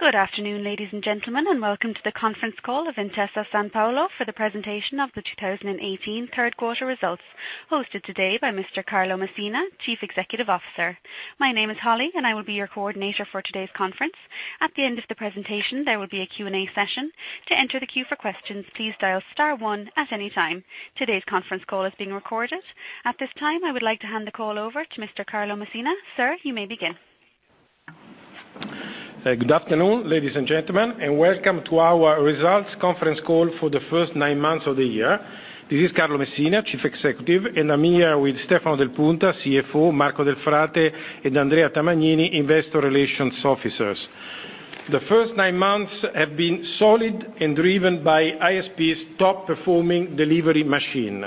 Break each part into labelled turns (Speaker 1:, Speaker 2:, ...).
Speaker 1: Good afternoon, ladies and gentlemen, and welcome to the conference call of Intesa Sanpaolo for the presentation of the 2018 third quarter results, hosted today by Mr. Carlo Messina, Chief Executive Officer. My name is Holly, and I will be your coordinator for today's conference. At the end of the presentation, there will be a Q&A session. To enter the queue for questions, please dial star one at any time. Today's conference call is being recorded. At this time, I would like to hand the call over to Mr. Carlo Messina. Sir, you may begin.
Speaker 2: Good afternoon, ladies and gentlemen, and welcome to our results conference call for the first nine months of the year. This is Carlo Messina, Chief Executive, and I'm here with Stefano Del Punta, CFO, Marco Delfrate, and Andrea Tamagnini, investor relations officers. The first nine months have been solid and driven by ISP's top-performing delivery machine.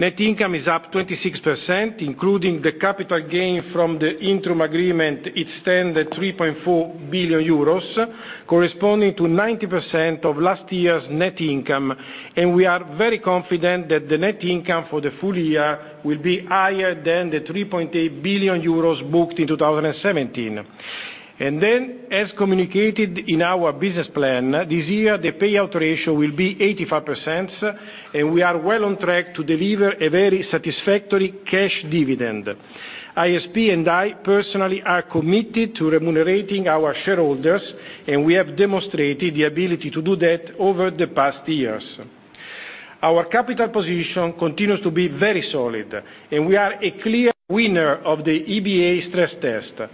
Speaker 2: Net income is up 26%, including the capital gain from the Intrum agreement, it stands at 3.4 billion euros, corresponding to 90% of last year's net income. We are very confident that the net income for the full year will be higher than the 3.8 billion euros booked in 2017. As communicated in our business plan, this year the payout ratio will be 85%, and we are well on track to deliver a very satisfactory cash dividend. ISP and I personally are committed to remunerating our shareholders, and we have demonstrated the ability to do that over the past years. Our capital position continues to be very solid, and we are a clear winner of the EBA stress test.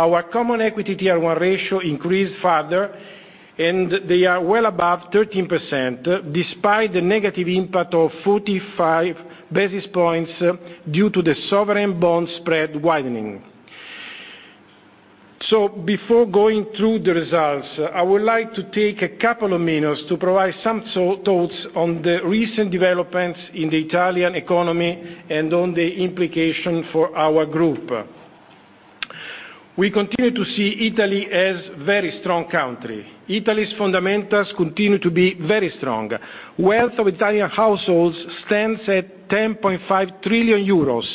Speaker 2: Our Common Equity Tier 1 ratio increased further, and they are well above 13%, despite the negative impact of 45 basis points due to the sovereign bond spread widening. Before going through the results, I would like to take a couple of minutes to provide some thoughts on the recent developments in the Italian economy and on the implication for our group. We continue to see Italy as very strong country. Italy's fundamentals continue to be very strong. Wealth of Italian households stands at 10.5 trillion euros,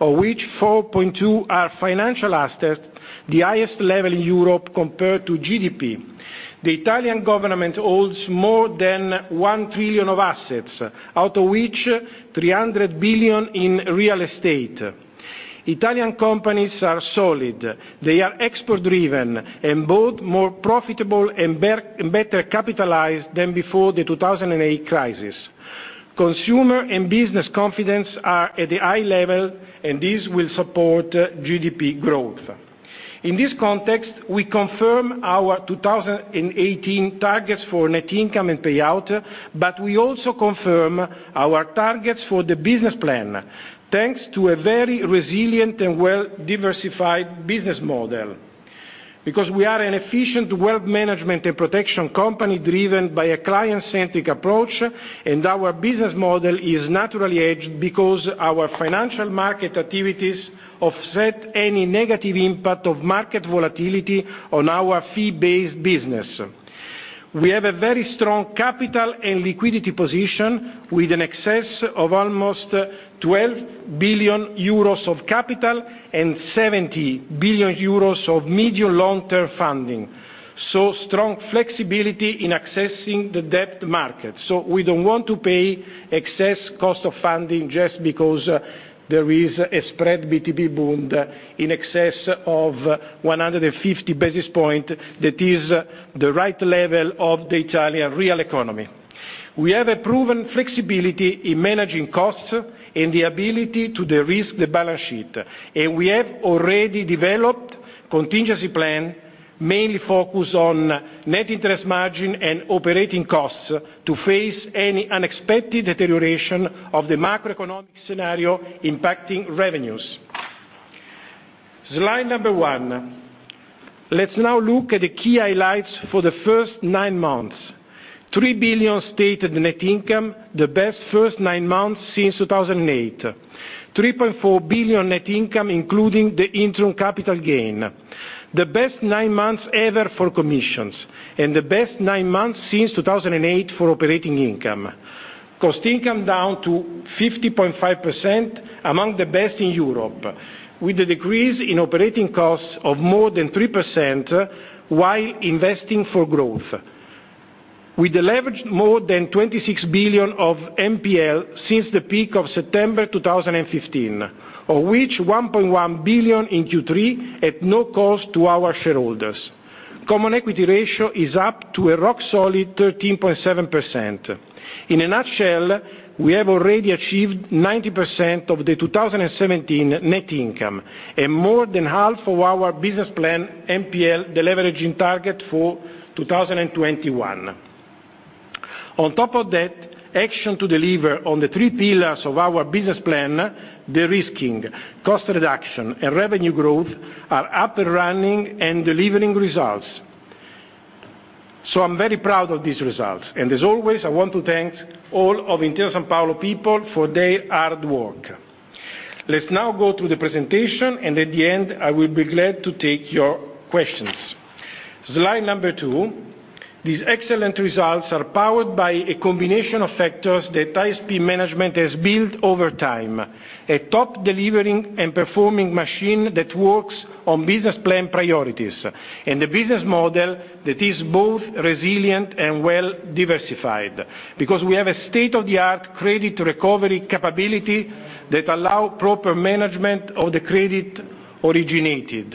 Speaker 2: of which 4.2 are financial assets, the highest level in Europe compared to GDP. The Italian government holds more than 1 trillion of assets, out of which 300 billion in real estate. Italian companies are solid. They are export driven and both more profitable and better capitalized than before the 2008 crisis. Consumer and business confidence are at the high level, and this will support GDP growth. In this context, we confirm our 2018 targets for net income and payout. We also confirm our targets for the business plan, thanks to a very resilient and well-diversified business model. We are an efficient wealth management and protection company driven by a client-centric approach, and our business model is naturally hedged because our financial market activities offset any negative impact of market volatility on our fee-based business. We have a very strong capital and liquidity position with an excess of almost 12 billion euros of capital and 70 billion euros of medium long-term funding. Strong flexibility in accessing the debt market. We don't want to pay excess cost of funding just because there is a spread BTP Bund in excess of 150 basis points. That is the right level of the Italian real economy. We have a proven flexibility in managing costs and the ability to de-risk the balance sheet, and we have already developed contingency plan mainly focused on net interest margin and operating costs to face any unexpected deterioration of the macroeconomic scenario impacting revenues. Slide number one. Let's now look at the key highlights for the first nine months. 3 billion stated net income, the best first nine months since 2008. 3.4 billion net income, including the Intrum capital gain. The best nine months ever for commissions, and the best nine months since 2008 for operating income. Cost-to-income ratio down to 50.5%, among the best in Europe, with the decrease in operating costs of more than 3% while investing for growth. We deleveraged more than 26 billion of NPL since the peak of September 2015, of which 1.1 billion in Q3 at no cost to our shareholders. Common equity ratio is up to a rock solid 13.7%. In a nutshell, we have already achieved 90% of the 2017 net income and more than half of our business plan NPL deleveraging target for 2021. On top of that, action to deliver on the three pillars of our business plan, de-risking, cost reduction, and revenue growth, are up and running and delivering results. I'm very proud of these results, and as always, I want to thank all of Intesa Sanpaolo people for their hard work. Let's now go through the presentation, and at the end, I will be glad to take your questions. Slide number two. These excellent results are powered by a combination of factors that ISP management has built over time, a top delivering and performing machine that works on business plan priorities, and a business model that is both resilient and well-diversified. We have a state-of-the-art credit recovery capability that allow proper management of the credit originated.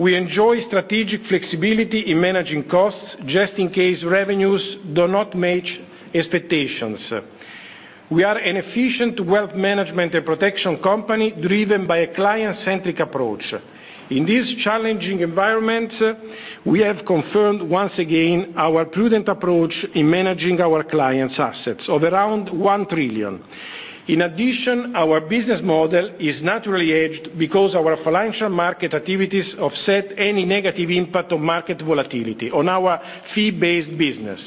Speaker 2: We enjoy strategic flexibility in managing costs, just in case revenues do not match expectations. We are an efficient wealth management and protection company driven by a client-centric approach. In this challenging environment, we have confirmed once again our prudent approach in managing our clients' assets of around 1 trillion. Our business model is naturally hedged, our financial market activities offset any negative impact of market volatility on our fee-based business.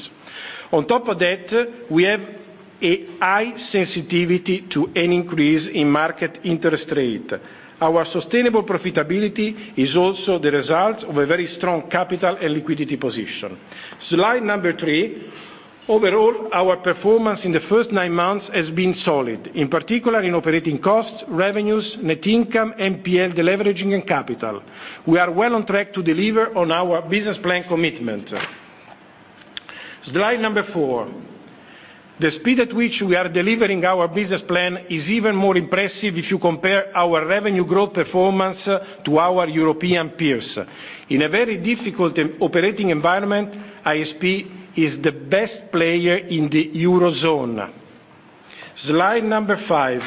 Speaker 2: We have a high sensitivity to an increase in market interest rate. Our sustainable profitability is also the result of a very strong capital and liquidity position. Slide number three. Overall, our performance in the first nine months has been solid, in particular in operating costs, revenues, net income, NPL deleveraging, and capital. We are well on track to deliver on our business plan commitment. Slide number four. The speed at which we are delivering our business plan is even more impressive if you compare our revenue growth performance to our European peers. In a very difficult operating environment, ISP is the best player in the Eurozone. Slide number five.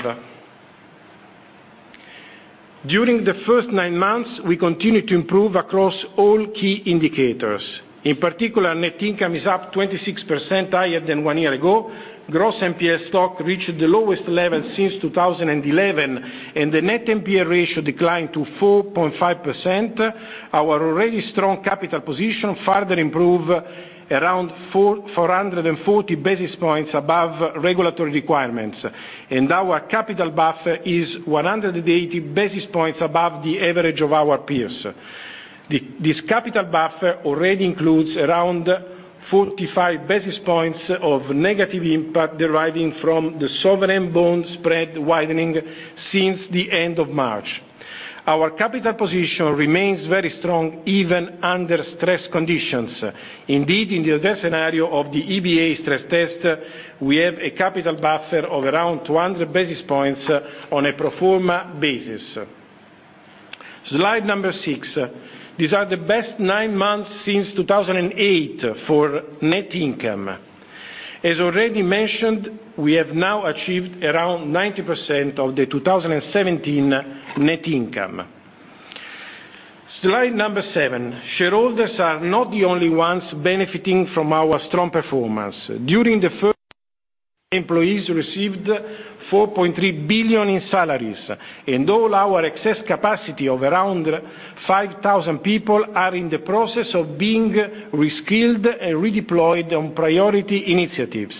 Speaker 2: During the first nine months, we continued to improve across all key indicators. In particular, net income is up 26% higher than one year ago, gross NPL stock reached the lowest level since 2011, and the net NPL ratio declined to 4.5%. Our already strong capital position further improved around 440 basis points above regulatory requirements, and our capital buffer is 180 basis points above the average of our peers. This capital buffer already includes around 45 basis points of negative impact deriving from the sovereign bond spread widening since the end of March. Our capital position remains very strong even under stress conditions. Indeed, in the adverse scenario of the EBA stress test, we have a capital buffer of around 200 basis points on a pro forma basis. Slide number six. These are the best nine months since 2008 for net income. As already mentioned, we have now achieved around 90% of the 2017 net income. Slide number seven. Shareholders are not the only ones benefiting from our strong performance. During the first, employees received 4.3 billion in salaries, and all our excess capacity of around 5,000 people are in the process of being reskilled and redeployed on priority initiatives,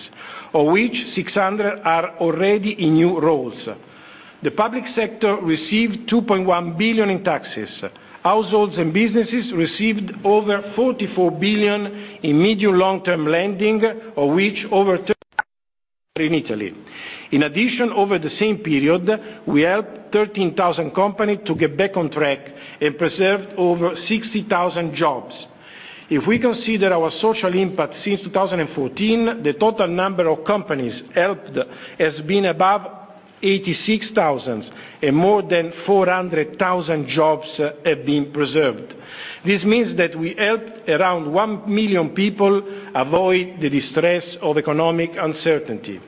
Speaker 2: of which 600 are already in new roles. The public sector received 2.1 billion in taxes. Households and businesses received over 44 billion in medium long-term lending, of which over 30 in Italy. In addition, over the same period, we helped 13,000 companies to get back on track and preserved over 60,000 jobs. If we consider our social impact since 2014, the total number of companies helped has been above 86,000 and more than 400,000 jobs have been preserved. This means that we helped around 1 million people avoid the distress of economic uncertainty.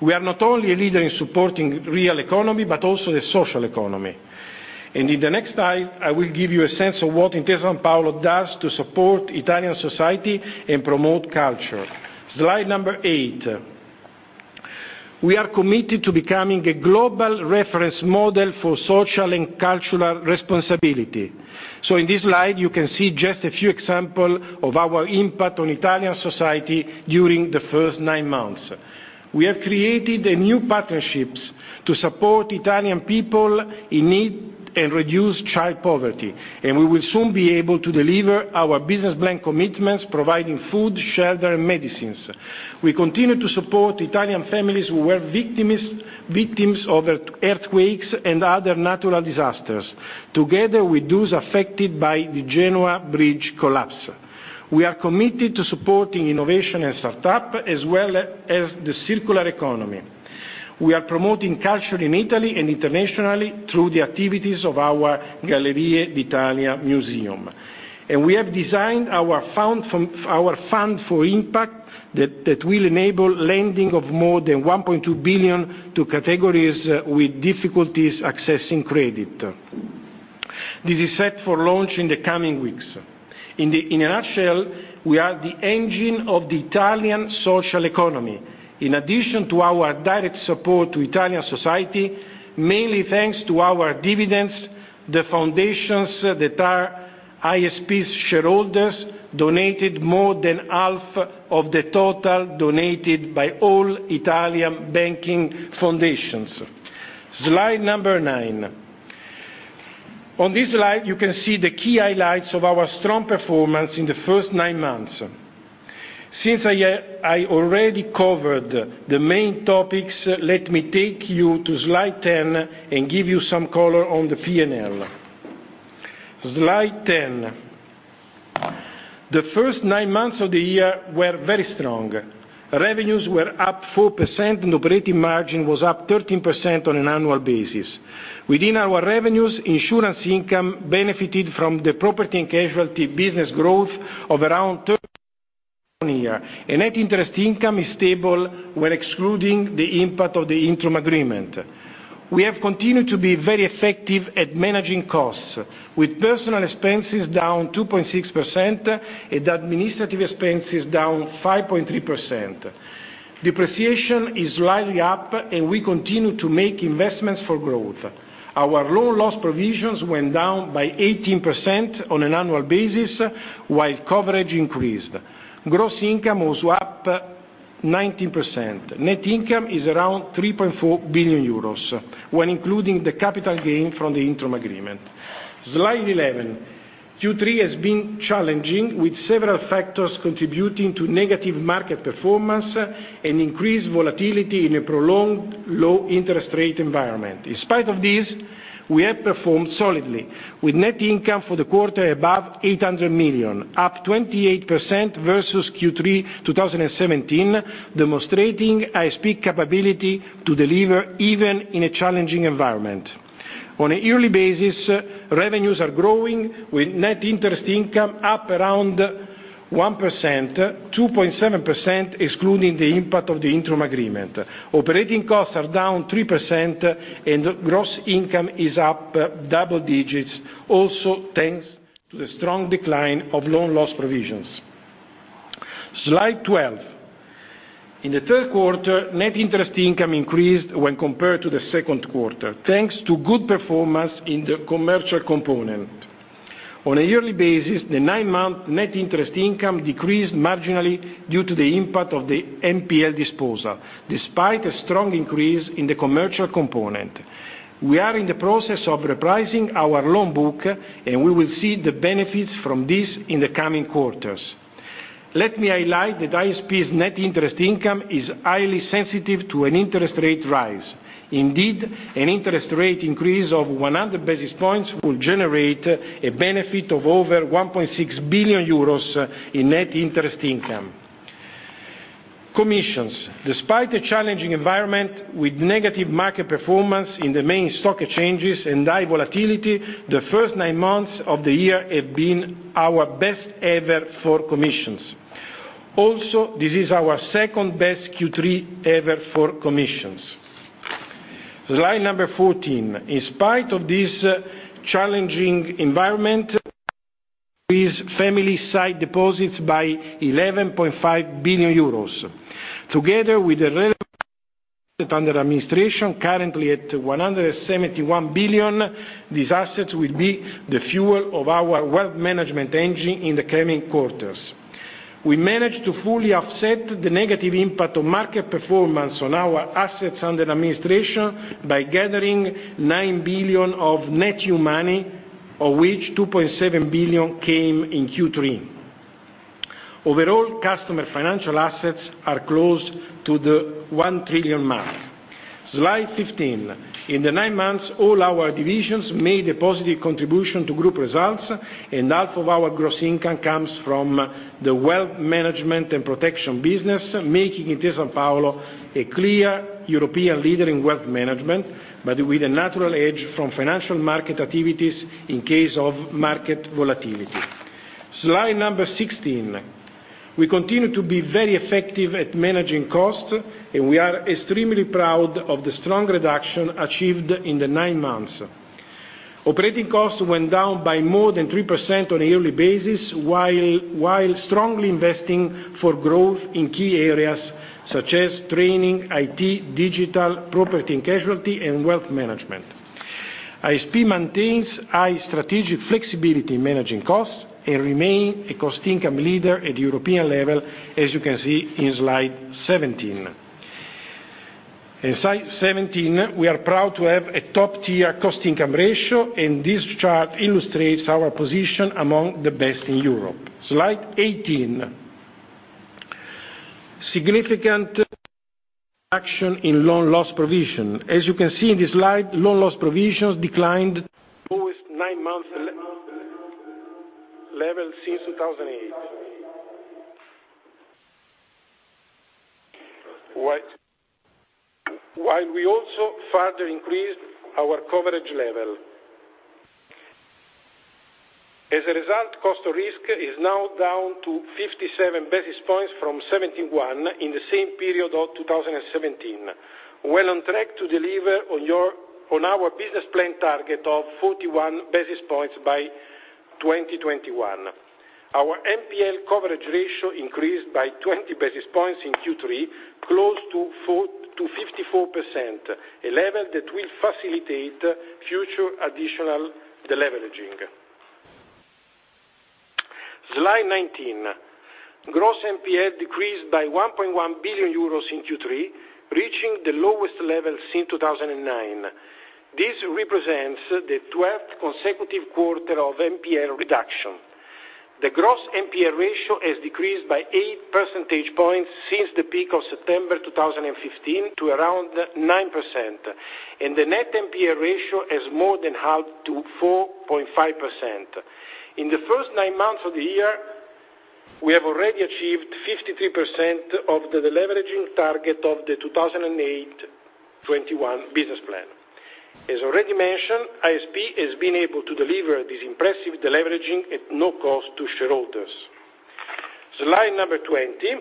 Speaker 2: We are not only a leader in supporting real economy, but also the social economy. In the next slide, I will give you a sense of what Intesa Sanpaolo does to support Italian society and promote culture. Slide number eight. We are committed to becoming a global reference model for social and cultural responsibility. In this slide, you can see just a few example of our impact on Italian society during the first nine months. We have created new partnerships to support Italian people in need and reduce child poverty, and we will soon be able to deliver our business plan commitments, providing food, shelter, and medicines. We continue to support Italian families who were victims of earthquakes and other natural disasters, together with those affected by the Genoa bridge collapse. We are committed to supporting innovation and startup, as well as the circular economy. We are promoting culture in Italy and internationally through the activities of our Gallerie d'Italia museum, and we have designed our Fund for Impact that will enable lending of more than 1.2 billion to categories with difficulties accessing credit. This is set for launch in the coming weeks. In a nutshell, we are the engine of the Italian social economy. In addition to our direct support to Italian society, mainly thanks to our dividends, the foundations that are ISP's shareholders donated more than half of the total donated by all Italian banking foundations. Slide number nine. On this slide, you can see the key highlights of our strong performance in the first nine months. Since I already covered the main topics, let me take you to slide 10 and give you some color on the P&L. Slide 10. The first nine months of the year were very strong. Revenues were up 4%. Operating margin was up 13% on an annual basis. Within our revenues, insurance income benefited from the property and casualty business growth of around 13% on a year. Net interest income is stable when excluding the impact of the Intrum agreement. We have continued to be very effective at managing costs, with personal expenses down 2.6% and administrative expenses down 5.3%. Depreciation is slightly up. We continue to make investments for growth. Our loan loss provisions went down by 18% on an annual basis, while coverage increased. Gross income was up 19%. Net income is around 3.4 billion euros, when including the capital gain from the Intrum agreement. Slide 11. Q3 has been challenging, with several factors contributing to negative market performance and increased volatility in a prolonged low-interest rate environment. In spite of this, we have performed solidly, with net income for the quarter above 800 million, up 28% versus Q3 2017, demonstrating ISP capability to deliver even in a challenging environment. On a yearly basis, revenues are growing, with net interest income up around 1%, 2.7% excluding the impact of the Intrum agreement. Operating costs are down 3%. Gross income is up double digits, also thanks to the strong decline of loan loss provisions. Slide 12. In the third quarter, net interest income increased when compared to the second quarter, thanks to good performance in the commercial component. On a yearly basis, the nine-month net interest income decreased marginally due to the impact of the NPL disposal, despite a strong increase in the commercial component. We are in the process of repricing our loan book, and we will see the benefits from this in the coming quarters. Let me highlight that ISP's net interest income is highly sensitive to an interest rate rise. Indeed, an interest rate increase of 100 basis points will generate a benefit of over 1.6 billion euros in net interest income. Commissions. Despite the challenging environment with negative market performance in the main stock exchanges and high volatility, the first nine months of the year have been our best ever for commissions. Also, this is our second-best Q3 ever for commissions. Slide number 14. In spite of this challenging environment, these family side deposits by 11.5 billion euros. Together with the relevant under administration currently at 171 billion, these assets will be the fuel of our wealth management engine in the coming quarters. We managed to fully offset the negative impact of market performance on our assets under administration by gathering 9 billion of net new money, of which 2.7 billion came in Q3. Overall customer financial assets are close to the one trillion mark. Slide 15. In the nine months, all our divisions made a positive contribution to group results. Half of our gross income comes from the wealth management and protection business, making Intesa Sanpaolo a clear European leader in wealth management, but with a natural edge from financial market activities in case of market volatility. Slide number 16. We continue to be very effective at managing cost. We are extremely proud of the strong reduction achieved in the nine months. Operating costs went down by more than 3% on a yearly basis, while strongly investing for growth in key areas such as training, IT, digital, property and casualty, and wealth management. ISP maintains high strategic flexibility in managing costs and remain a cost income leader at European level, as you can see in slide 17. In slide 17, we are proud to have a top-tier cost-income ratio, and this chart illustrates our position among the best in Europe. Slide 18. Significant action in loan loss provision. As you can see in this slide, loan loss provisions declined to its nine-month level since 2008. While we also further increased our coverage level. As a result, cost of risk is now down to 57 basis points from 71 in the same period of 2017. Well on track to deliver on our business plan target of 41 basis points by 2021. Our NPL coverage ratio increased by 20 basis points in Q3, close to 54%, a level that will facilitate future additional deleveraging. Slide 19. Gross NPL decreased by 1.1 billion euros in Q3, reaching the lowest level since 2009. This represents the 12th consecutive quarter of NPL reduction. The gross NPL ratio has decreased by 8 percentage points since the peak of September 2015 to around 9%, and the net NPL ratio has more than halved to 4.5%. In the first 9 months of the year, we have already achieved 53% of the deleveraging target of the 2021 business plan. As already mentioned, ISP has been able to deliver this impressive deleveraging at no cost to shareholders. Slide number 20.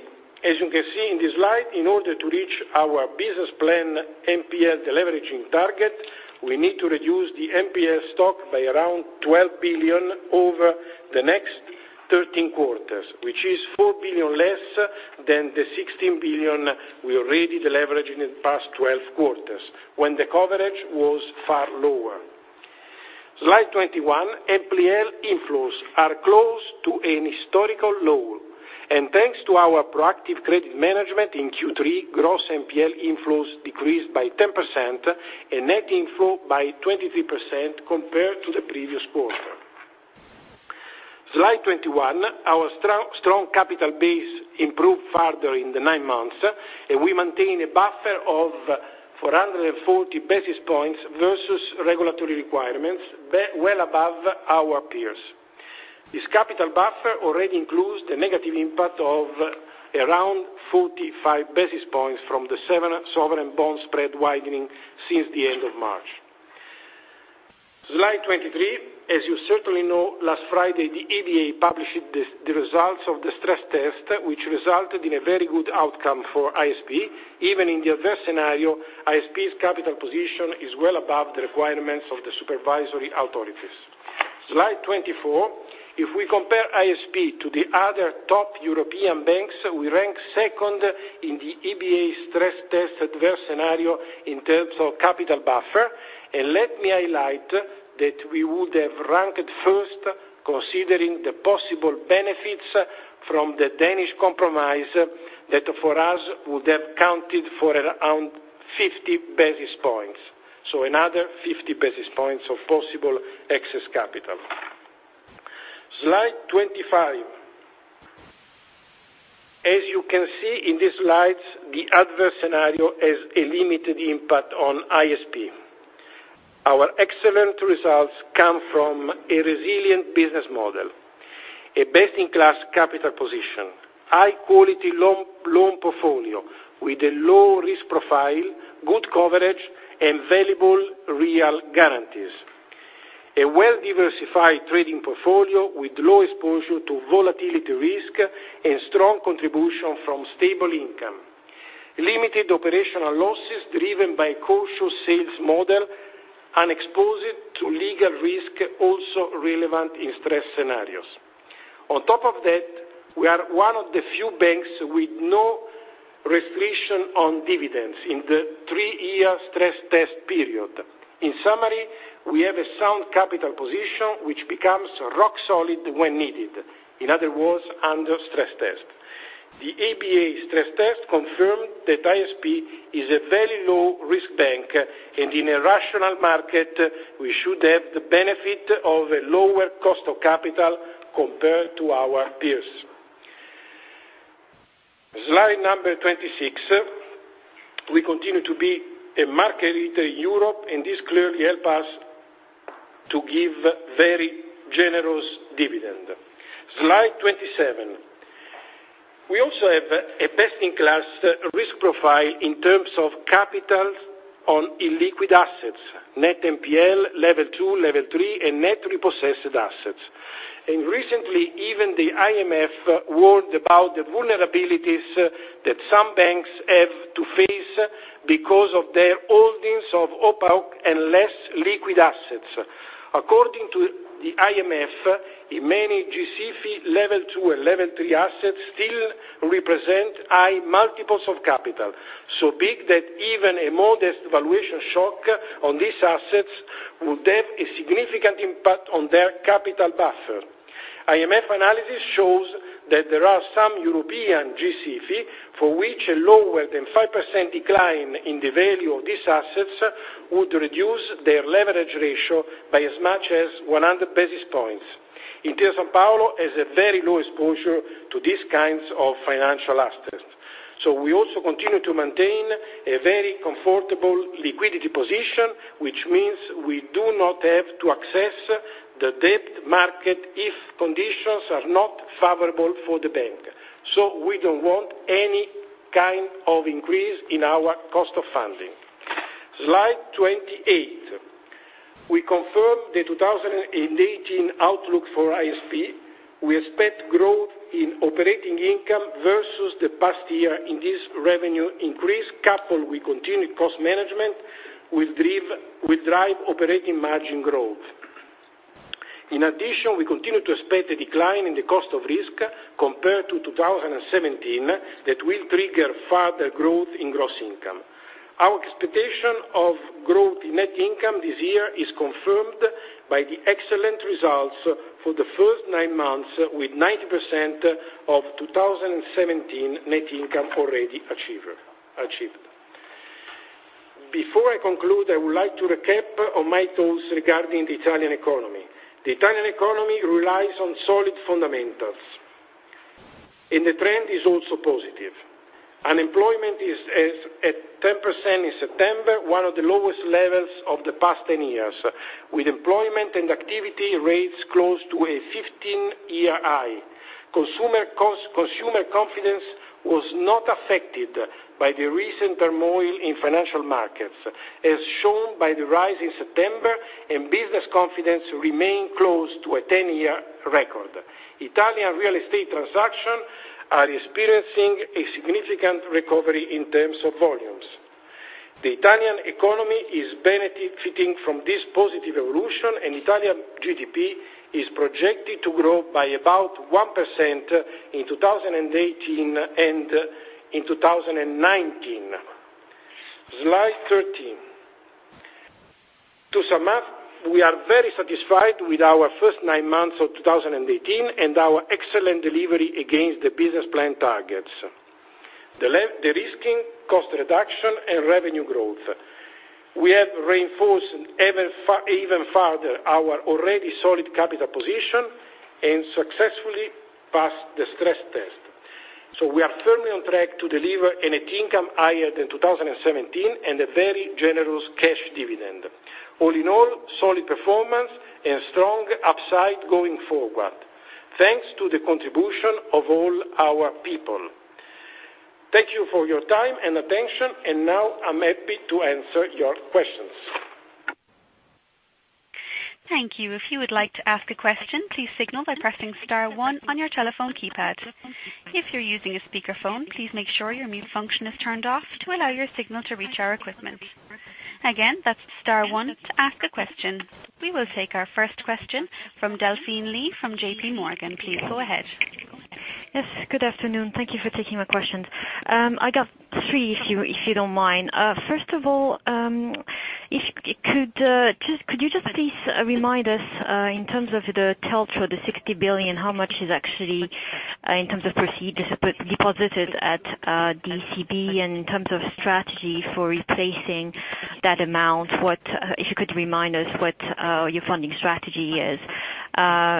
Speaker 2: As you can see in this slide, in order to reach our business plan NPL deleveraging target, we need to reduce the NPL stock by around 12 billion over the next 13 quarters, which is 4 billion less than the 16 billion we already deleveraged in the past 12 quarters, when the coverage was far lower. Slide 21. NPL inflows are close to an historical low. Thanks to our proactive credit management in Q3, gross NPL inflows decreased by 10% and net inflow by 23% compared to the previous quarter. Slide 21. Our strong capital base improved further in the 9 months, and we maintain a buffer of 440 basis points versus regulatory requirements, well above our peers. This capital buffer already includes the negative impact of around 45 basis points from the sovereign bond spread widening since the end of March. Slide 23. As you certainly know, last Friday, the EBA published the results of the stress test, which resulted in a very good outcome for ISP. Even in the adverse scenario, ISP's capital position is well above the requirements of the supervisory authorities. Slide 24. If we compare ISP to the other top European banks, we rank second in the EBA stress test adverse scenario in terms of capital buffer. Let me highlight that we would have ranked first, considering the possible benefits from the Danish Compromise that, for us, would have counted for around 50 basis points. Another 50 basis points of possible excess capital. Slide 25. As you can see in this slide, the adverse scenario has a limited impact on ISP. Our excellent results come from a resilient business model, a best-in-class capital position, high-quality loan portfolio with a low-risk profile, good coverage, and valuable real guarantees. A well-diversified trading portfolio with low exposure to volatility risk and strong contribution from stable income. Limited operational losses driven by a cautious sales model, unexposed to legal risk, also relevant in stress scenarios. On top of that, we are one of the few banks with no restriction on dividends in the three-year stress test period. In summary, we have a sound capital position, which becomes rock solid when needed. In other words, under stress test. The EBA stress test confirmed that ISP is a very low-risk bank, and in a rational market, we should have the benefit of a lower cost of capital compared to our peers. Slide 26. We continue to be a market leader in Europe, and this clearly help us to give very generous dividend. Slide 27. We also have a best-in-class risk profile in terms of capital on illiquid assets, net NPL, Level 2, Level 3, and net repossessed assets. Recently, even the IMF warned about the vulnerabilities that some banks have to face because of their holdings of opaque and less liquid assets. According to the IMF, in many G-SIFI Level 2 and Level 3 assets still represent high multiples of capital, so big that even a modest valuation shock on these assets would have a significant impact on their capital buffer. IMF analysis shows that there are some European G-SIFI for which a lower-than-5% decline in the value of these assets would reduce their leverage ratio by as much as 100 basis points. Intesa Sanpaolo has a very low exposure to these kinds of financial assets. We also continue to maintain a very comfortable liquidity position, which means we do not have to access the debt market if conditions are not favorable for the bank. We don't want any kind of increase in our cost of funding. Slide 28. We confirm the 2018 outlook for ISP. We expect growth in operating income versus the past year. This revenue increase, coupled with continued cost management, will drive operating margin growth. In addition, we continue to expect a decline in the cost of risk compared to 2017 that will trigger further growth in gross income. Our expectation of growth in net income this year is confirmed by the excellent results for the first nine months, with 90% of 2017 net income already achieved. Before I conclude, I would like to recap on my thoughts regarding the Italian economy. The Italian economy relies on solid fundamentals. The trend is also positive. Unemployment is at 10% in September, one of the lowest levels of the past 10 years, with employment and activity rates close to a 15-year high. Consumer confidence was not affected by the recent turmoil in financial markets, as shown by the rise in September. Business confidence remained close to a 10-year record. Italian real estate transactions are experiencing a significant recovery in terms of volumes. The Italian economy is benefiting from this positive evolution. Italian GDP is projected to grow by about 1% in 2018 and in 2019. Slide 13. To sum up, we are very satisfied with our first nine months of 2018 and our excellent delivery against the business plan targets. De-risking, cost reduction, and revenue growth. We have reinforced even further our already solid capital position and successfully passed the stress test. We are firmly on track to deliver a net income higher than 2017 and a very generous cash dividend. All in all, solid performance and strong upside going forward, thanks to the contribution of all our people. Thank you for your time and attention, now I'm happy to answer your questions.
Speaker 1: Thank you. If you would like to ask a question, please signal by pressing star one on your telephone keypad. If you're using a speakerphone, please make sure your mute function is turned off to allow your signal to reach our equipment. Again, that's star one to ask a question. We will take our first question from Delphine Lee from J.P. Morgan. Please go ahead.
Speaker 3: Yes, good afternoon. Thank you for taking my questions. I got three, if you don't mind. First of all, could you just please remind us, in terms of the total for the 60 billion, how much is actually, in terms of proceeds, deposited at ECB, in terms of strategy for replacing that amount, if you could remind us what your funding strategy is.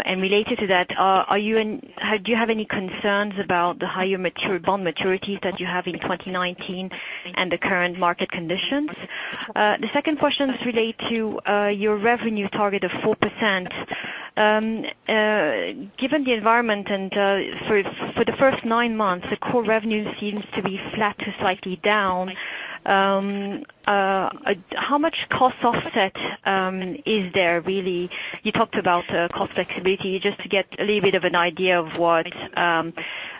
Speaker 3: Related to that, do you have any concerns about the higher bond maturities that you have in 2019 and the current market conditions? The second question relates to your revenue target of 4%. Given the environment for the first nine months, the core revenue seems to be flat to slightly down. How much cost offset is there, really? You talked about cost flexibility. Just to get a little bit of an idea of what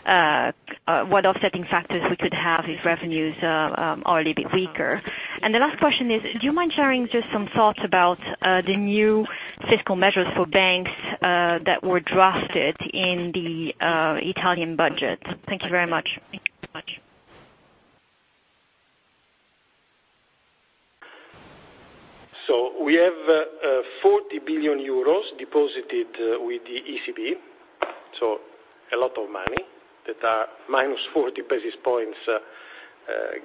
Speaker 3: offsetting factors we could have if revenues are a little bit weaker. The last question is, do you mind sharing just some thoughts about the new fiscal measures for banks that were drafted in the Italian budget? Thank you very much.
Speaker 2: We have 40 billion euros deposited with the ECB, a lot of money that are -40 basis points,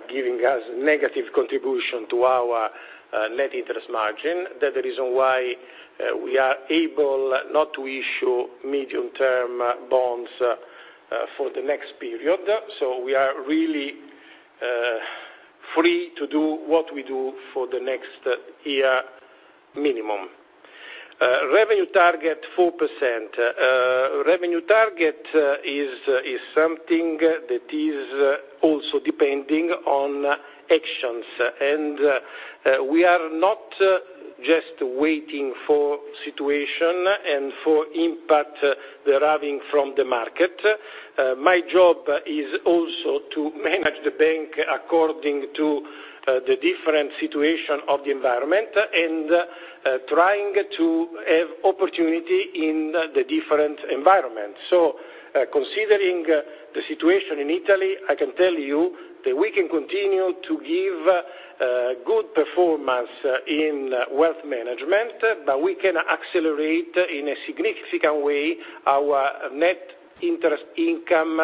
Speaker 2: giving us negative contribution to our net interest margin. That is the reason why we are able not to issue medium-term bonds for the next period. We are really free to do what we do for the next year, minimum. Revenue target, 4%. Revenue target is something that is also depending on actions. We are not just waiting for situation and for impact deriving from the market. My job is also to manage the bank according to the different situation of the environment and trying to have opportunity in the different environments. Considering the situation in Italy, I can tell you that we can continue to give good performance in wealth management, but we can accelerate, in a significant way, our net interest income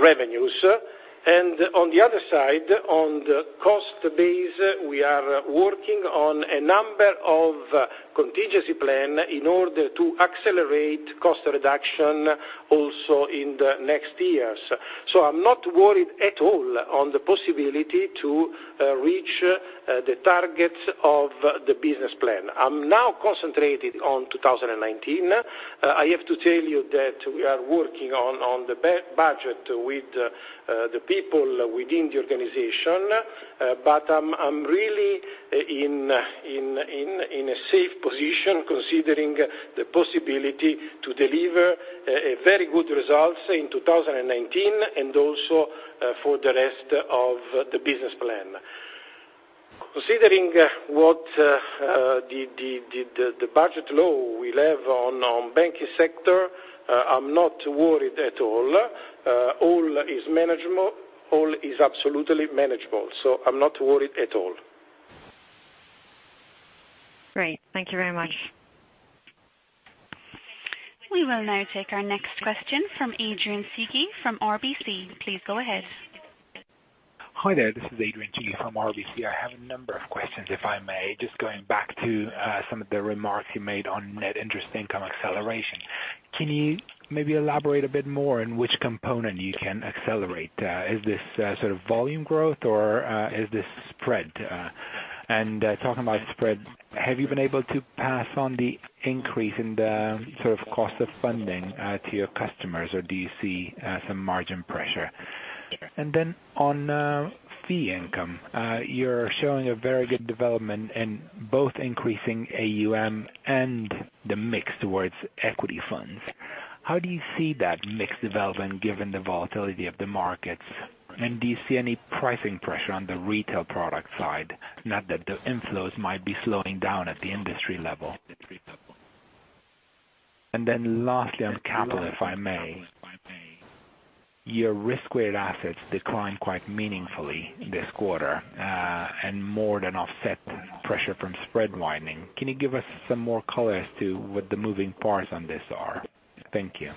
Speaker 2: revenues. On the other side, on the cost base, we are working on a number of contingency plan in order to accelerate cost reduction also in the next years. I'm not worried at all on the possibility to reach the targets of the business plan. I'm now concentrated on 2019. I have to tell you that we are working on the budget with the people within the organization. I'm really in a safe position, considering the possibility to deliver very good results in 2019 and also for the rest of the business plan. Considering what the budget law will have on banking sector, I'm not worried at all. All is absolutely manageable. I'm not worried at all.
Speaker 3: Great. Thank you very much.
Speaker 1: We will now take our next question from Adrian Tsiki from RBC. Please go ahead.
Speaker 4: Hi there. This is Adrian Tsiki from RBC. I have a number of questions, if I may. Just going back to some of the remarks you made on net interest income acceleration. Can you maybe elaborate a bit more on which component you can accelerate? Is this sort of volume growth or is this spread? Talking about spread, have you been able to pass on the increase in the sort of cost of funding to your customers, or do you see some margin pressure? On fee income, you're showing a very good development in both increasing AUM and the mix towards equity funds. How do you see that mix development given the volatility of the markets, and do you see any pricing pressure on the retail product side now that the inflows might be slowing down at the industry level? Lastly, on capital, if I may. Your risk-weighted assets declined quite meaningfully this quarter, more than offset pressure from spread widening. Can you give us some more color as to what the moving parts on this are? Thank you.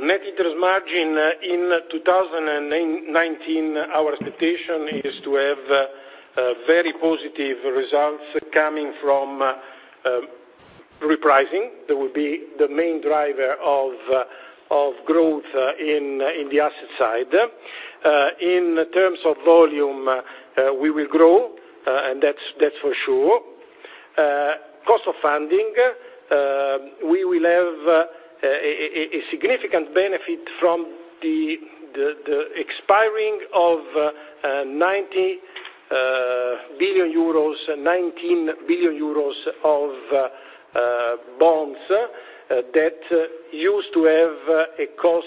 Speaker 2: Net interest margin in 2019, our expectation is to have very positive results coming from repricing. That will be the main driver of growth in the asset side. In terms of volume, we will grow, and that's for sure. Cost of funding, we will have a significant benefit from the expiring of EUR 19 billion of bonds that used to have a cost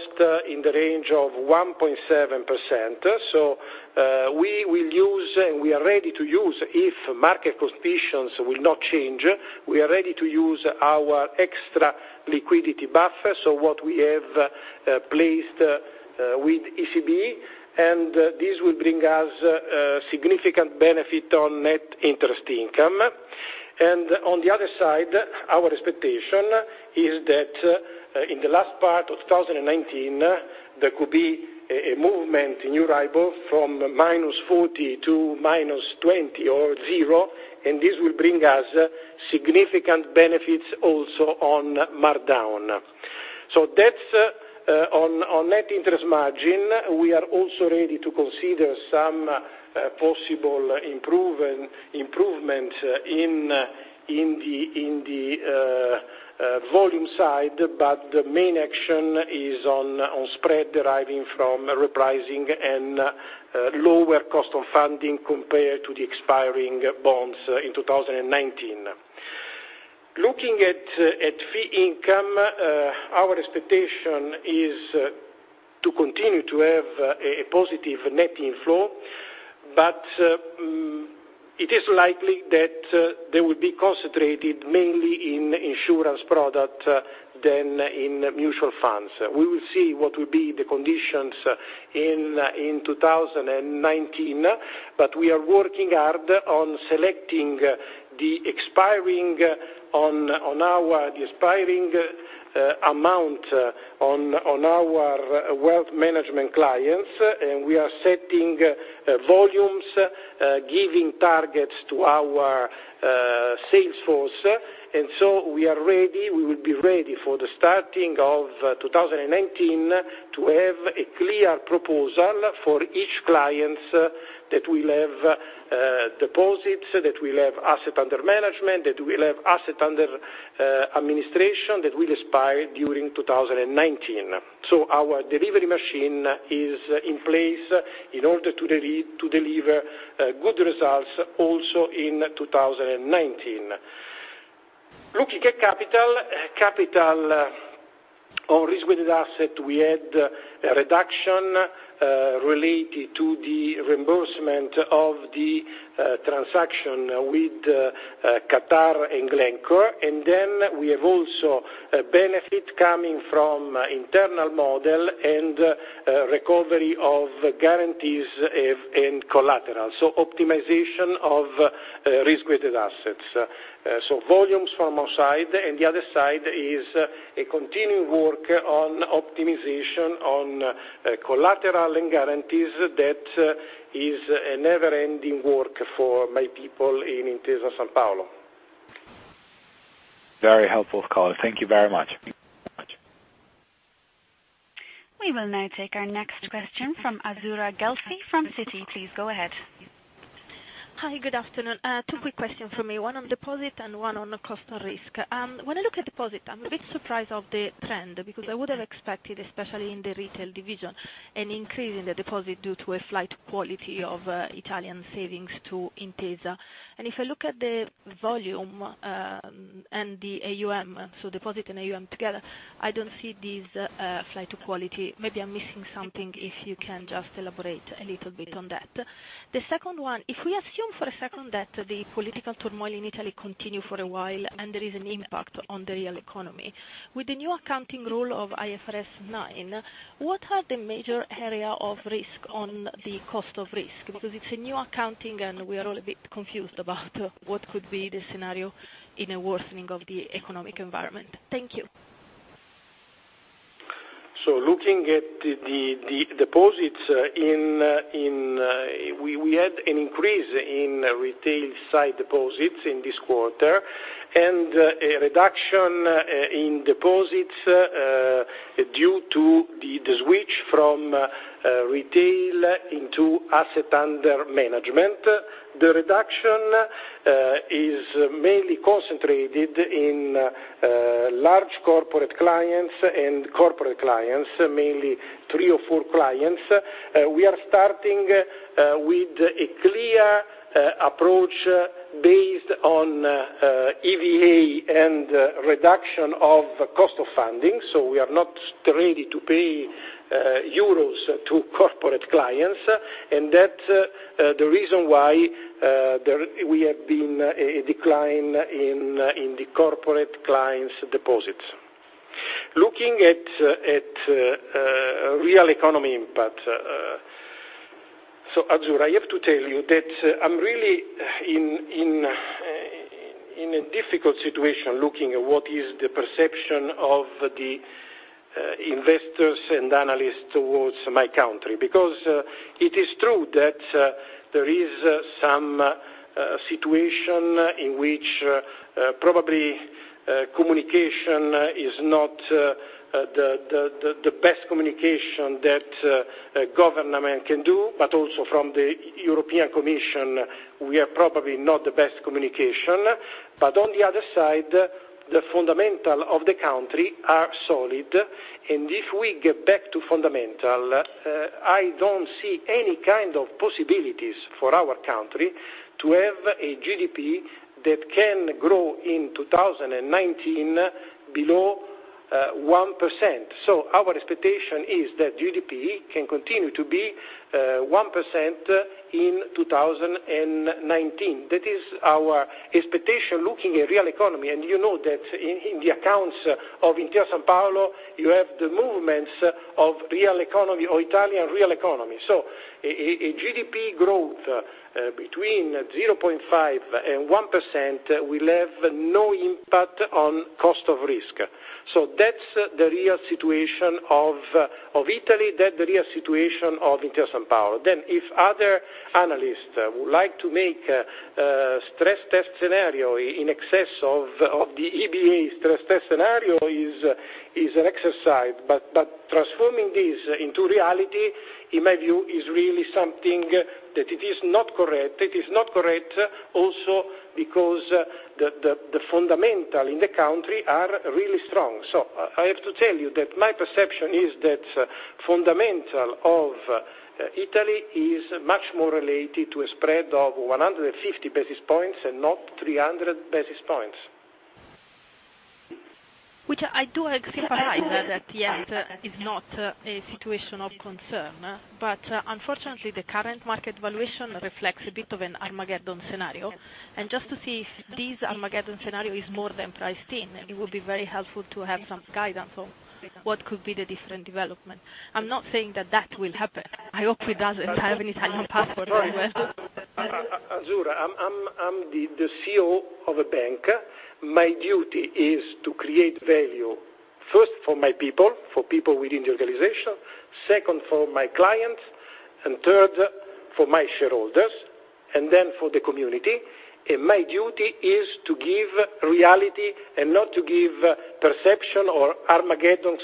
Speaker 2: in the range of 1.7%. We will use, and we are ready to use if market conditions will not change, we are ready to use our extra liquidity buffer. What we have placed with ECB, and this will bring us significant benefit on net interest income. On the other side, our expectation is that in the last part of 2019, there could be a movement in EURIBOR from -40 to -20 or zero, and this will bring us significant benefits also on markdown. That's on net interest margin. We are also ready to consider some possible improvement in the volume side, but the main action is on spread deriving from repricing and lower cost of funding compared to the expiring bonds in 2019. Looking at fee income, our expectation is to continue to have a positive net inflow, but it is likely that they will be concentrated mainly in insurance product than in mutual funds. We will see what will be the conditions in 2019, but we are working hard on selecting the expiring amount on our wealth management clients. We are setting volumes, giving targets to our sales force. We will be ready for the starting of 2019 to have a clear proposal for each client that will have deposits, that will have asset under management, that will have asset under administration, that will expire during 2019. Our delivery machine is in place in order to deliver good results also in 2019. Looking at capital. Capital on risk-weighted asset, we had a reduction related to the reimbursement of the transaction with Qatar and Glencore. We have also a benefit coming from internal model and recovery of guarantees and collateral. Optimization of risk-weighted assets. Volumes from our side, and the other side is a continuing work on optimization on collateral and guarantees. That is a never-ending work for my people in Intesa Sanpaolo.
Speaker 4: Very helpful call. Thank you very much.
Speaker 1: We will now take our next question from Azzurra Guelfi from Citi. Please go ahead.
Speaker 5: Hi, good afternoon. Two quick questions from me, one on deposit and one on cost risk. When I look at deposit, I'm a bit surprised of the trend, because I would have expected, especially in the retail division, an increase in the deposit due to a flight quality of Italian savings to Intesa. If I look at the volume and the AUM, deposit and AUM together, I don't see this flight to quality. Maybe I'm missing something, if you can just elaborate a little bit on that. The second one, if we assume for a second that the political turmoil in Italy continue for a while and there is an impact on the real economy, with the new accounting role of IFRS 9, what are the major area of risk on the cost of risk? It's a new accounting and we are all a bit confused about what could be the scenario in a worsening of the economic environment. Thank you.
Speaker 2: Looking at the deposits, we had an increase in retail side deposits in this quarter, and a reduction in deposits due to the switch from retail into asset under management. The reduction is mainly concentrated in large corporate clients and corporate clients, mainly three or four clients. We are starting with a clear approach based on EVA and reduction of cost of funding, so we are not ready to pay euros to corporate clients, and that the reason why we have been a decline in the corporate clients deposits. Looking at real economy impact. Azzurra, I'm really in a difficult situation, looking at what is the perception of the investors and analysts towards my country, because it is true that there is some situation in which probably communication is not the best communication that government can do, but also from the European Commission, we are probably not the best communication. On the other side, the fundamental of the country are solid. If we get back to fundamental, I don't see any kind of possibilities for our country to have a GDP that can grow in 2019 below 1%. Our expectation is that GDP can continue to be 1% in 2019. That is our expectation, looking at real economy. You know that in the accounts of Intesa Sanpaolo, you have the movements of real economy or Italian real economy. A GDP growth between 0.5% and 1%, will have no impact on cost of risk. That's the real situation of Italy, that the real situation of Intesa Sanpaolo. If other analysts would like to make a stress test scenario in excess of the EBA stress test scenario is an exercise. Transforming this into reality, in my view, is really something that it is not correct. It is not correct also because the fundamental in the country are really strong. I have to tell you that my perception is that fundamental of Italy is much more related to a spread of 150 basis points and not 300 basis points.
Speaker 5: I do emphasize that yes, is not a situation of concern. Unfortunately, the current market valuation reflects a bit of an Armageddon scenario. Just to see if this Armageddon scenario is more than priced in, it would be very helpful to have some guidance on what could be the different development. I'm not saying that that will happen. I hope it doesn't. I have an Italian passport.
Speaker 2: Azzurra, I'm the CEO of a bank. My duty is to create value, first for my people, for people within the organization, second for my clients, and third for my shareholders, and then for the community. My duty is to give reality and not to give perception or Armageddon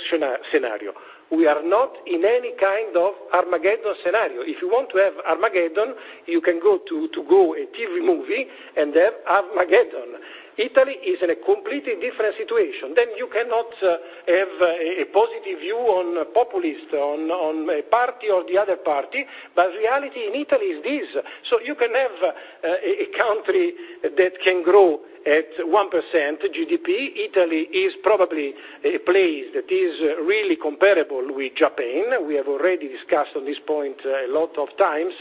Speaker 2: scenario. We are not in any kind of Armageddon scenario. If you want to have Armageddon, you can go to a TV movie and have Armageddon. Italy is in a completely different situation. You cannot have a positive view on populist, on a party or the other party. Reality in Italy is this. You can have a country that can grow at 1% GDP. Italy is probably a place that is really comparable with Japan. We have already discussed on this point a lot of times.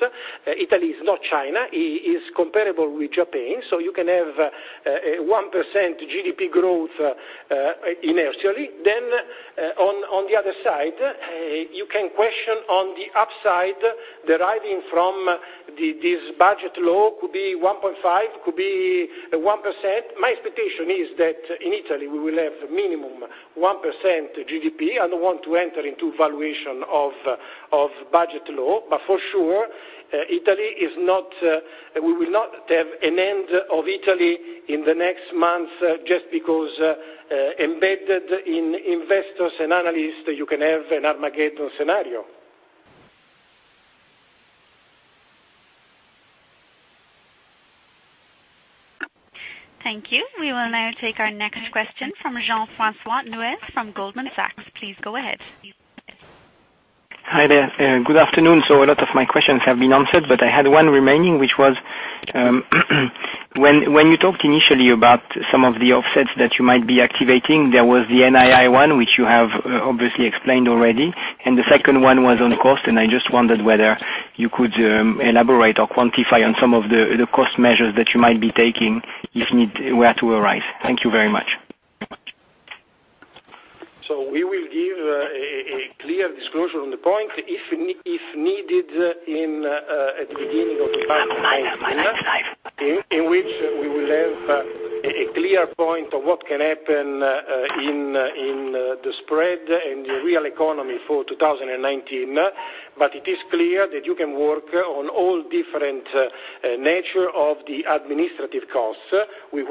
Speaker 2: Italy is not China, it is comparable with Japan. You can have 1% GDP growth inertially. On the other side, you can question on the upside deriving from this budget law, could be 1.5%, could be 1%. My expectation is that in Italy, we will have minimum 1% GDP. I don't want to enter into valuation of budget law. For sure, we will not have an end of Italy in the next month just because embedded in investors and analysts, you can have an Armageddon scenario.
Speaker 1: Thank you. We will now take our next question from Jean-Francois Neuez from Goldman Sachs. Please go ahead.
Speaker 6: Hi there. Good afternoon. A lot of my questions have been answered, but I had one remaining, which was when you talked initially about some of the offsets that you might be activating, there was the NII one, which you have obviously explained already, and the second one was on cost, and I just wondered whether you could elaborate or quantify on some of the cost measures that you might be taking if need were to arise. Thank you very much.
Speaker 2: We will give a clear disclosure on the point, if needed, at the beginning of the in which we will have a clear point of what can happen in the spread, in the real economy for 2019. It is clear that you can work on all different nature of the administrative costs. We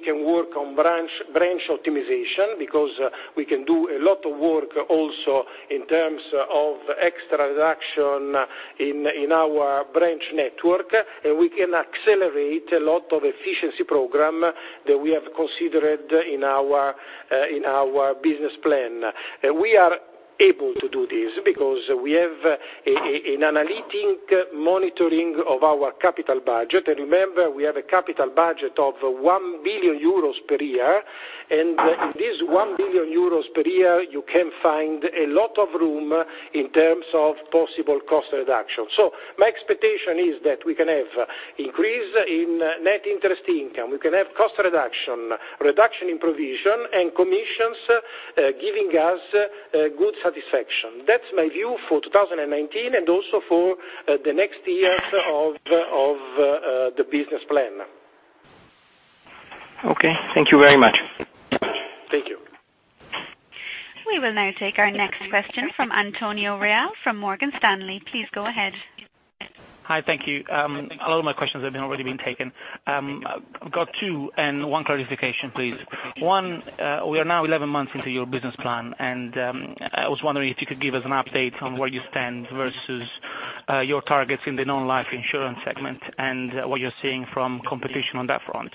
Speaker 2: can work on branch optimization because we can do a lot of work also in terms of extra reduction in our branch network, and we can accelerate a lot of efficiency program that we have considered in our business plan. We are able to do this because we have an analytic monitoring of our capital budget. Remember, we have a capital budget of 1 billion euros per year. In this 1 billion euros per year, you can find a lot of room in terms of possible cost reduction. My expectation is that we can have increase in net interest income, we can have cost reduction in provision, and commissions giving us good satisfaction. That's my view for 2019 and also for the next years of the business plan.
Speaker 6: Okay. Thank you very much.
Speaker 2: Thank you.
Speaker 1: We will now take our next question from Antonio Reale from Morgan Stanley. Please go ahead.
Speaker 7: Hi, thank you. A lot of my questions have been already been taken. I've got two and one clarification, please. One, we are now 11 months into your business plan, and I was wondering if you could give us an update on where you stand versus your targets in the non-life insurance segment and what you're seeing from competition on that front.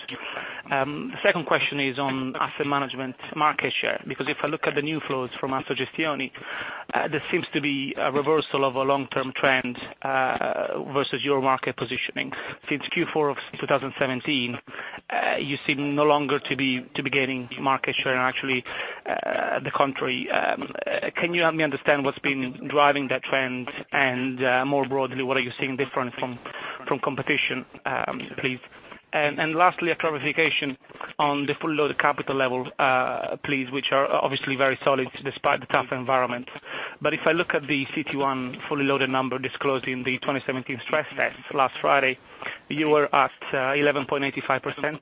Speaker 7: Second question is on asset management market share, because if I look at the new flows from Eurizon, there seems to be a reversal of a long-term trend versus your market positioning. Since Q4 of 2017, you seem no longer to be gaining market share and actually the contrary. Can you help me understand what's been driving that trend? More broadly, what are you seeing different from competition, please? Lastly, a clarification on the fully loaded capital level, please, which are obviously very solid despite the tougher environment. If I look at the CET1 fully loaded number disclosed in the 2017 stress test last Friday, you were at 11.85%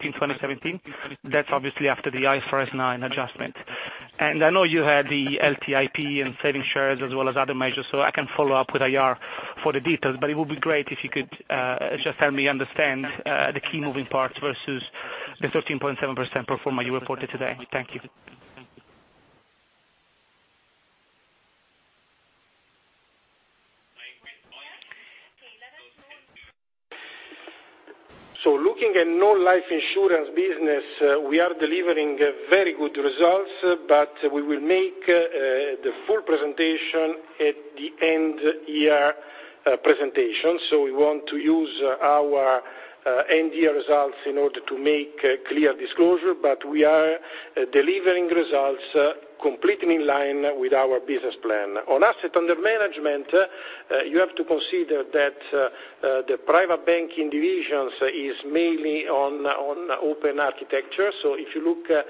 Speaker 7: in 2017. That's obviously after the IFRS 9 adjustment. I know you had the LTIP and saving shares as well as other measures, so I can follow up with IR for the details, but it would be great if you could just help me understand the key moving parts versus the 13.7% pro forma you reported today. Thank you
Speaker 2: Looking at non-life insurance business, we are delivering very good results, but we will make the full presentation at the end-year presentation. We want to use our end-year results in order to make clear disclosure, but we are delivering results completely in line with our business plan. On asset under management, you have to consider that the private banking division is mainly on open architecture. If you look at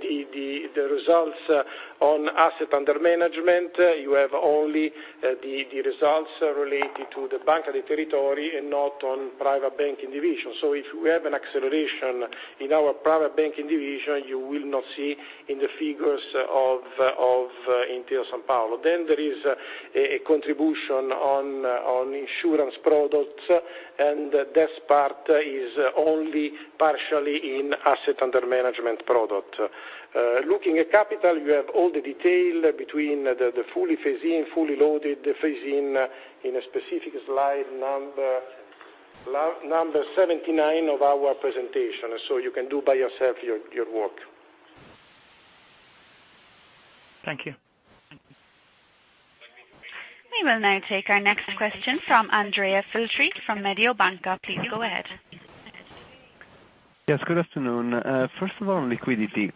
Speaker 2: the results on asset under management, you have only the results related to the Banca dei Territori and not on private banking division. If we have an acceleration in our private banking division, you will not see in the figures of Intesa Sanpaolo. There is a contribution on insurance products, and this part is only partially in asset under management product. Looking at capital, you have all the detail between the fully phased in, fully loaded, the phased in a specific slide, number 79 of our presentation. You can do by yourself your work.
Speaker 7: Thank you.
Speaker 1: We will now take our next question from Andrea Filtri from Mediobanca. Please go ahead.
Speaker 8: Yes, good afternoon. First of all, on liquidity.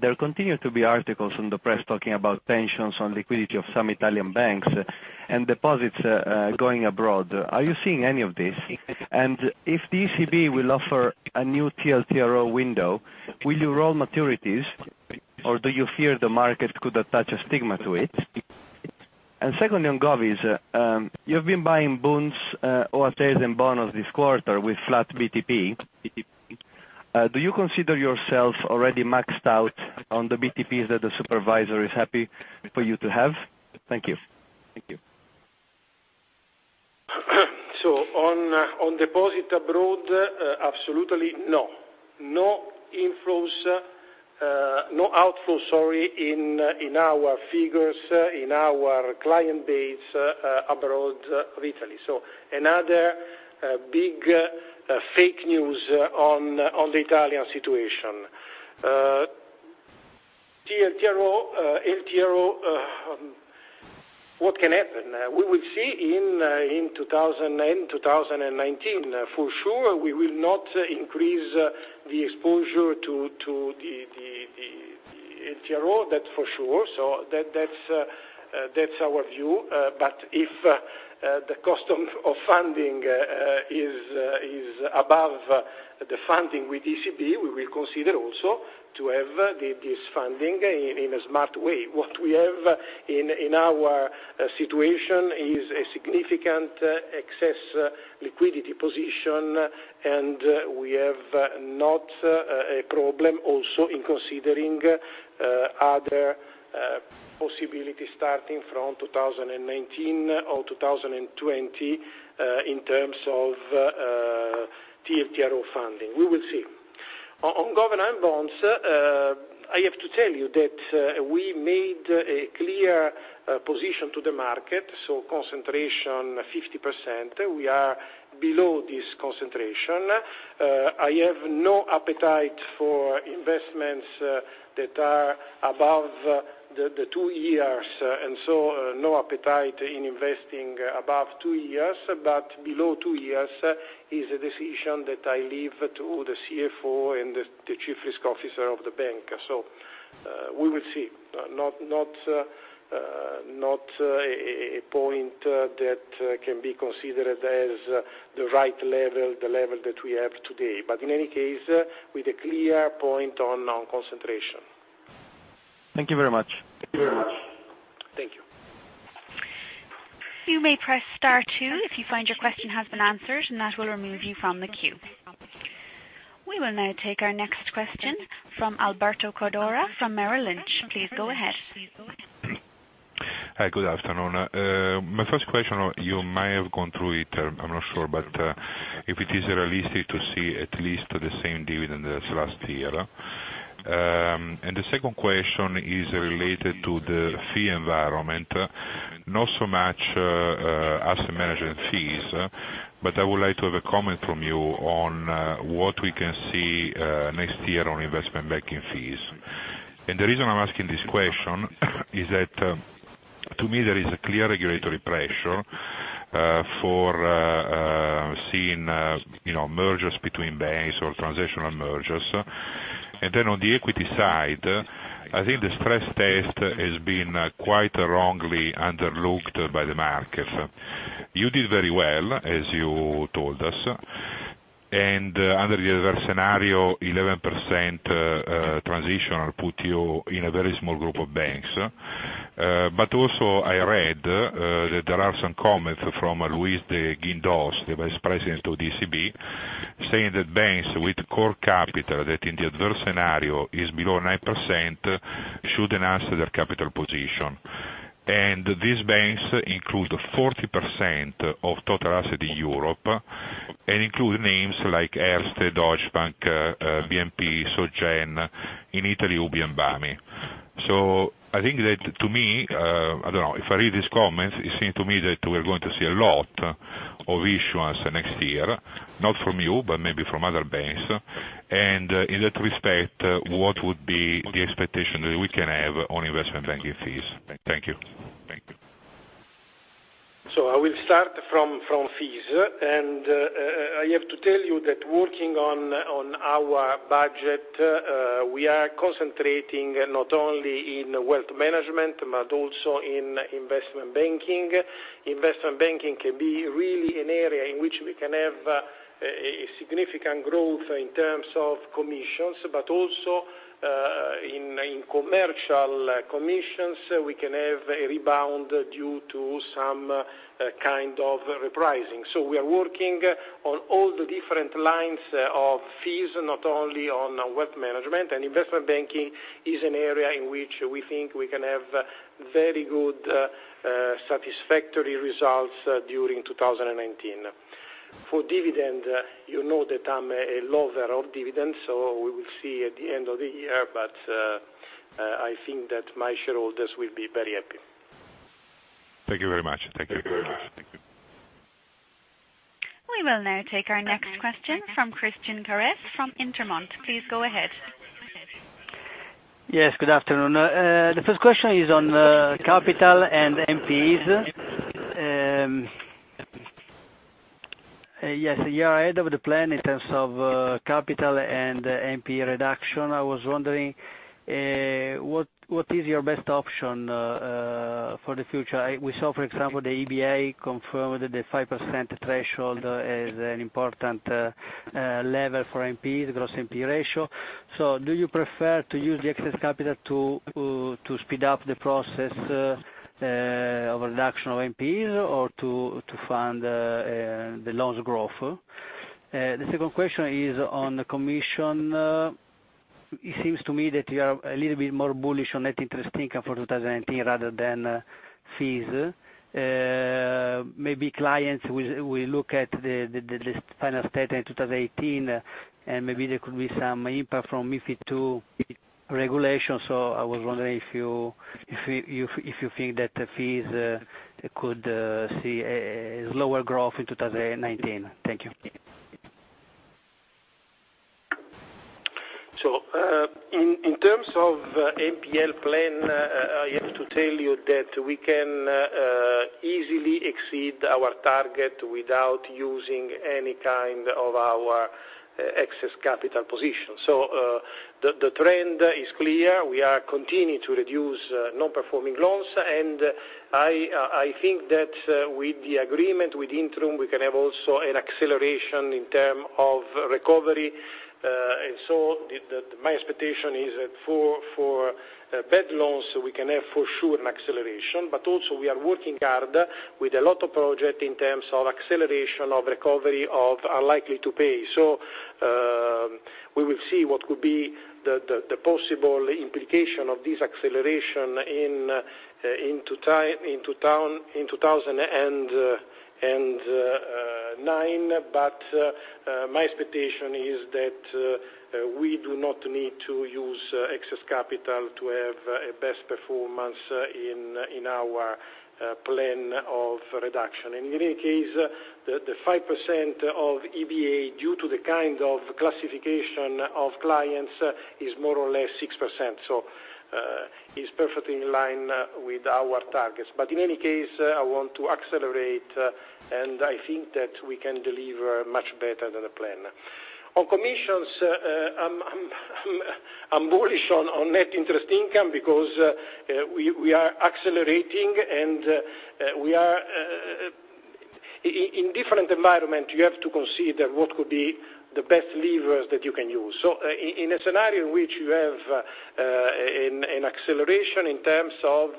Speaker 8: There continue to be articles in the press talking about tensions on liquidity of some Italian banks and deposits going abroad. Are you seeing any of this? If the ECB will offer a new TLTRO window, will you roll maturities, or do you fear the market could attach a stigma to it? Secondly, on govies, you've been buying bonds, OATs and Bonos this quarter with flat BTP. Do you consider yourself already maxed out on the BTPs that the supervisor is happy for you to have? Thank you.
Speaker 2: On deposit abroad, absolutely no. No inflows, no outflow, sorry, in our figures, in our client base abroad of Italy. Another big fake news on the Italian situation. TLTRO, LTRO, what can happen? We will see in 2019. For sure, we will not increase the exposure to the LTRO. That's for sure. That's our view. If the cost of funding is above the funding with ECB, we will consider also to have this funding in a smart way. What we have in our situation is a significant excess liquidity position, and we have not a problem also in considering other possibilities starting from 2019 or 2020, in terms of TLTRO funding. We will see. On government bonds, I have to tell you that we made a clear position to the market. Concentration 50%, we are below this concentration. I have no appetite for investments that are above the two years, no appetite in investing above two years. Below two years is a decision that I leave to the CFO and the chief risk officer of the bank. We will see. Not a point that can be considered as the right level, the level that we have today. In any case, with a clear point on concentration.
Speaker 8: Thank you very much.
Speaker 2: Thank you.
Speaker 1: You may press star two if you find your question has been answered, that will remove you from the queue. We will now take our next question from Alberto Cordara from Merrill Lynch. Please go ahead.
Speaker 9: Hi, good afternoon. My first question, you may have gone through it, I'm not sure, but if it is realistic to see at least the same dividend as last year. The second question is related to the fee environment. Not so much asset management fees, but I would like to have a comment from you on what we can see next year on investment banking fees. The reason I'm asking this question is that, to me, there is a clear regulatory pressure for seeing mergers between banks or transitional mergers. On the equity side, I think the stress test has been quite wrongly underlooked by the market. You did very well, as you told us, and under the adverse scenario, 11% transitional put you in a very small group of banks. Also, I read that there are some comments from Luis de Guindos, the vice president of ECB, saying that banks with core capital that in the adverse scenario is below 9% should enhance their capital position. These banks include 40% of total assets in Europe and include names like Erste, Deutsche Bank, BNP, Soc Gen. In Italy, UBI and BPM. I think that to me, I don't know, if I read these comments, it seems to me that we are going to see a lot of issuance next year, not from you, but maybe from other banks. In that respect, what would be the expectation that we can have on investment banking fees? Thank you.
Speaker 2: I will start from fees. I have to tell you that working on our budget, we are concentrating not only in wealth management but also in investment banking. Investment banking can be really an area in which we can have a significant growth in terms of commissions, but also in commercial commissions, we can have a rebound due to some kind of repricing. We are working on all the different lines of fees, not only on wealth management. Investment banking is an area in which we think we can have very good, satisfactory results during 2019. For dividend, you know that I'm a lover of dividends, so we will see at the end of the year. I think that my shareholders will be very happy.
Speaker 9: Thank you very much.
Speaker 1: We will now take our next question from Christian Carrese from Intermonte. Please go ahead.
Speaker 10: Yes, good afternoon. The first question is on capital and NPEs. Yes, you are ahead of the plan in terms of capital and NPE reduction. I was wondering, what is your best option for the future? We saw, for example, the EBA confirmed that the 5% threshold is an important level for NPE, the gross NPE ratio. Do you prefer to use the excess capital to speed up the process of reduction of NPEs or to fund the loans growth? The second question is on the commission. It seems to me that you are a little bit more bullish on net interest income for 2019 rather than fees. Maybe clients will look at the final statement 2018, and maybe there could be some impact from MiFID II regulation. I was wondering if you think that the fees could see a lower growth in 2019. Thank you.
Speaker 2: In terms of NPL plan, I have to tell you that we can easily exceed our target without using any kind of our excess capital position. The trend is clear. We are continuing to reduce non-performing loans, and I think that with the agreement with Intrum, we can have also an acceleration in terms of recovery. My expectation is that for bad loans, we can have for sure an acceleration, but also we are working hard with a lot of project in terms of acceleration of recovery of unlikely to pay. We will see what could be the possible implication of this acceleration in 2009, but my expectation is that we do not need to use excess capital to have a best performance in our plan of reduction. In any case, the 5% of EBA, due to the kind of classification of clients, is more or less 6%. It's perfectly in line with our targets. In any case, I want to accelerate, and I think that we can deliver much better than the plan. On commissions, I'm bullish on net interest income because we are accelerating, and in different environment, you have to consider what could be the best levers that you can use. In a scenario in which you have an acceleration in terms of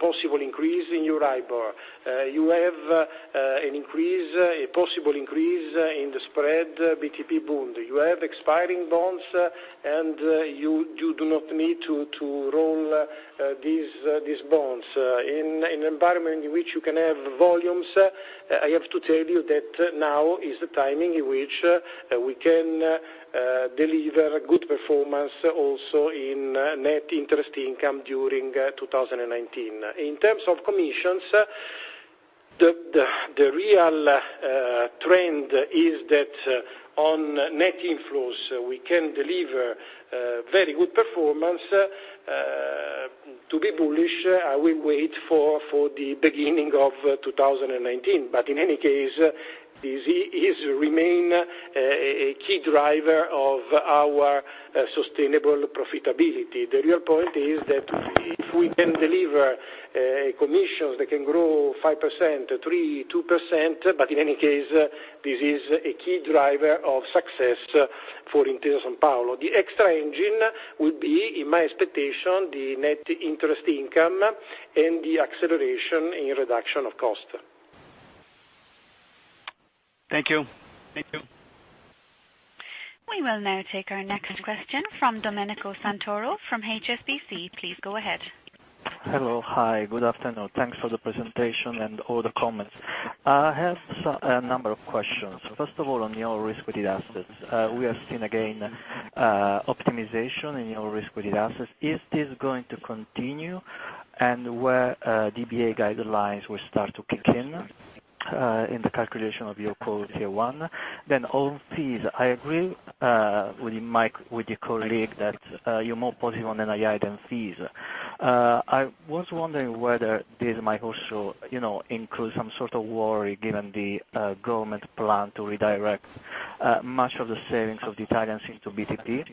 Speaker 2: possible increase in your EURIBOR, you have a possible increase in the spread, BTP Bund. You have expiring bonds, and you do not need to roll these bonds. In an environment in which you can have volumes, I have to tell you that now is the timing in which we can deliver good performance also in net interest income during 2019. In terms of commissions, the real trend is that on net inflows, we can deliver very good performance. To be bullish, I will wait for the beginning of 2019. In any case, this remain a key driver of our sustainable profitability. The real point is that if we can deliver commissions that can grow 5%, 3%, 2%, but in any case, this is a key driver of success for Intesa Sanpaolo. The extra engine would be, in my expectation, the net interest income and the acceleration in reduction of cost.
Speaker 10: Thank you.
Speaker 1: We will now take our next question from Domenico Santoro from HSBC. Please go ahead.
Speaker 11: Hello. Hi, good afternoon. Thanks for the presentation and all the comments. I have a number of questions. First of all, on your risk-weighted assets, we have seen again optimization in your risk-weighted assets. Is this going to continue, and where EBA guidelines will start to kick in the calculation of your core Tier 1? On fees, I agree with your colleague that you're more positive on NII than fees. I was wondering whether this might also include some sort of worry given the government plan to redirect much of the savings of the Italians into BTP,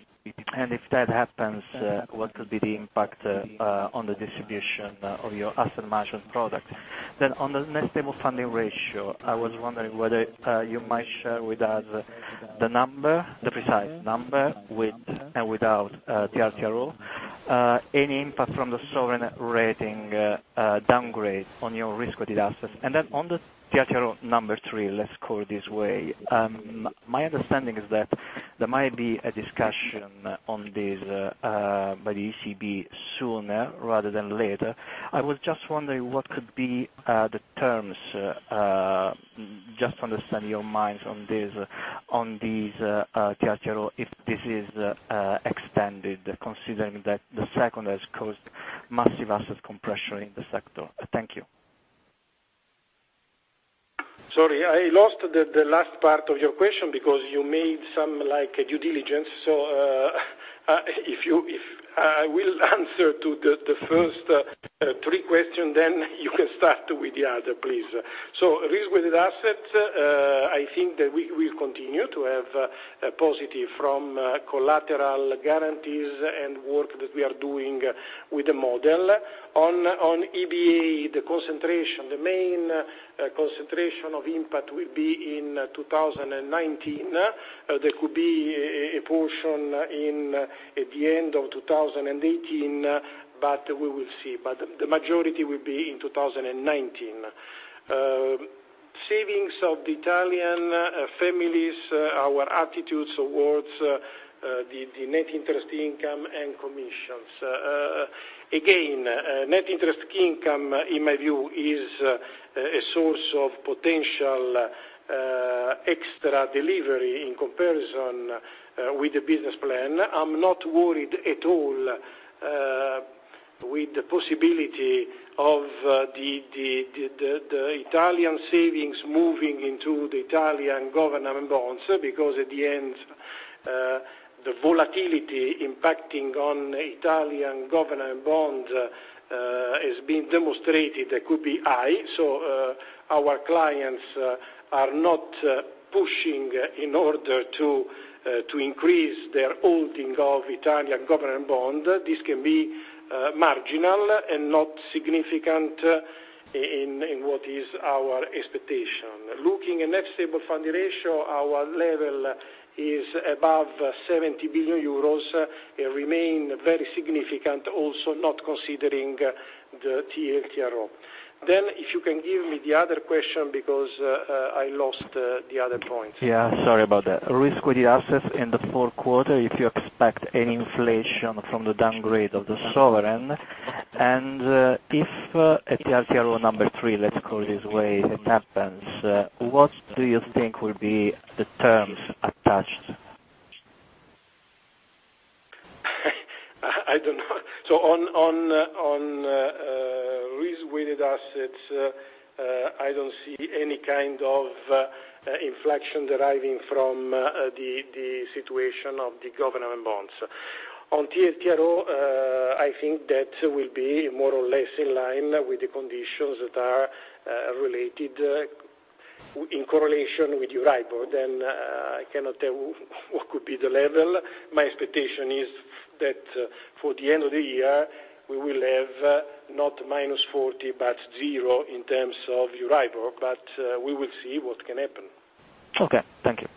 Speaker 11: and if that happens, what could be the impact on the distribution of your asset management product? On the Net Stable Funding Ratio, I was wondering whether you might share with us the precise number with and without TLTRO, any impact from the sovereign rating downgrade on your risk-weighted assets. On the TLTRO number 3, let's call it this way, my understanding is that there might be a discussion on this by the ECB sooner rather than later. I was just wondering what could be the terms, just to understand your minds on this TLTRO, if this is extended, considering that the second has caused massive asset compression in the sector. Thank you.
Speaker 2: Sorry, I lost the last part of your question because you made some due diligence. I will answer to the first three question, then you can start with the other, please. Risk-weighted assets, I think that we will continue to have a positive from collateral guarantees and work that we are doing with the model. On EBA, the main concentration of impact will be in 2019. There could be a portion at the end of 2018, but we will see. The majority will be in 2019. Savings of the Italian families, our attitudes towards the Net Interest Income and commissions. Net Interest Income, in my view, is a source of potential extra delivery in comparison with the business plan. I'm not worried at all with the possibility of the Italian savings moving into the Italian government bonds, because at the end, the volatility impacting on Italian government bond has been demonstrated, it could be high. Our clients are not pushing in order to increase their holding of Italian government bond. This can be marginal and not significant in what is our expectation. Looking at Net Stable Funding Ratio, our level is above 70 billion euros, it remain very significant also not considering the TLTRO. If you can give me the other question, because I lost the other point.
Speaker 11: Yeah, sorry about that. Risk-weighted assets in the fourth quarter, if you expect any inflation from the downgrade of the sovereign, and if a TLTRO number 3, let's call it this way, it happens, what do you think will be the terms attached?
Speaker 2: I don't know. On risk-weighted assets, I don't see any kind of inflection deriving from the situation of the government bonds. On TLTRO, I think that will be more or less in line with the conditions that are in correlation with EURIBOR, then I cannot tell what could be the level. My expectation is that for the end of the year, we will have not -40, but zero in terms of EURIBOR, but we will see what can happen.
Speaker 11: Okay. Thank you.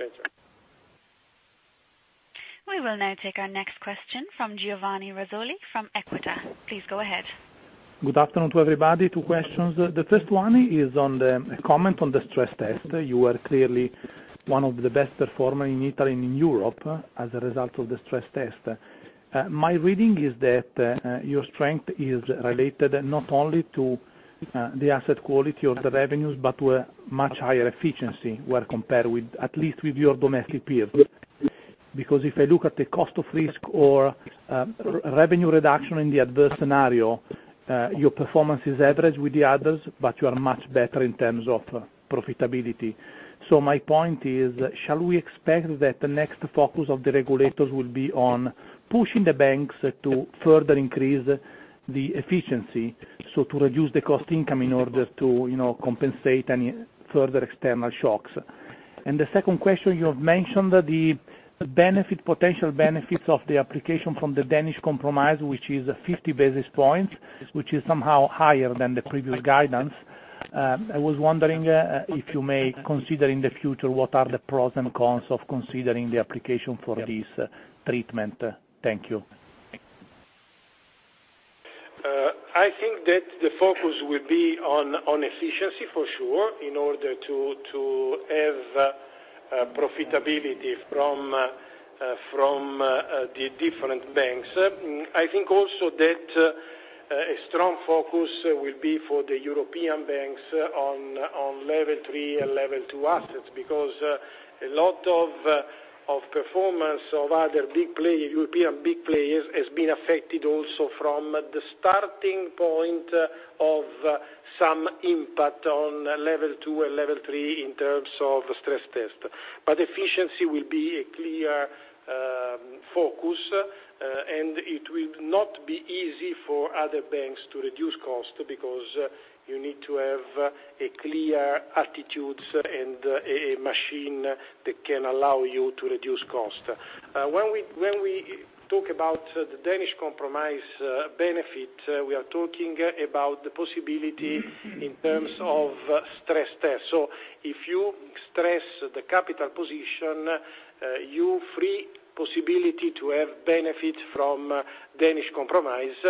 Speaker 2: Thank you.
Speaker 1: We will now take our next question from Giovanni Razzoli from Equita. Please go ahead.
Speaker 12: Good afternoon to everybody. Two questions. The first one is on the comment on the stress test. You are clearly one of the best performer in Italy and in Europe as a result of the stress test. My reading is that your strength is related not only to the asset quality of the revenues, but to a much higher efficiency where compared with, at least with your domestic peers. If I look at the cost of risk or revenue reduction in the adverse scenario, your performance is average with the others, but you are much better in terms of profitability. My point is, shall we expect that the next focus of the regulators will be on pushing the banks to further increase the efficiency, to reduce the Cost-to-income ratio in order to compensate any further external shocks? The second question, you have mentioned the potential benefits of the application from the Danish Compromise, which is 50 basis points, which is somehow higher than the previous guidance. I was wondering if you may consider in the future what are the pros and cons of considering the application for this treatment. Thank you.
Speaker 2: I think that the focus will be on efficiency for sure, in order to have profitability from the different banks. I think also that a strong focus will be for the European banks on Level 3 and Level 2 assets, because a lot of performance of other European big players has been affected also from the starting point of some impact on Level 2 and Level 3 in terms of stress test. Efficiency will be a clear focus, and it will not be easy for other banks to reduce cost, because you need to have a clear attitudes and a machine that can allow you to reduce cost. When we talk about the Danish Compromise benefit, we are talking about the possibility in terms of stress test. If you stress the capital position, you free possibility to have benefit from Danish Compromise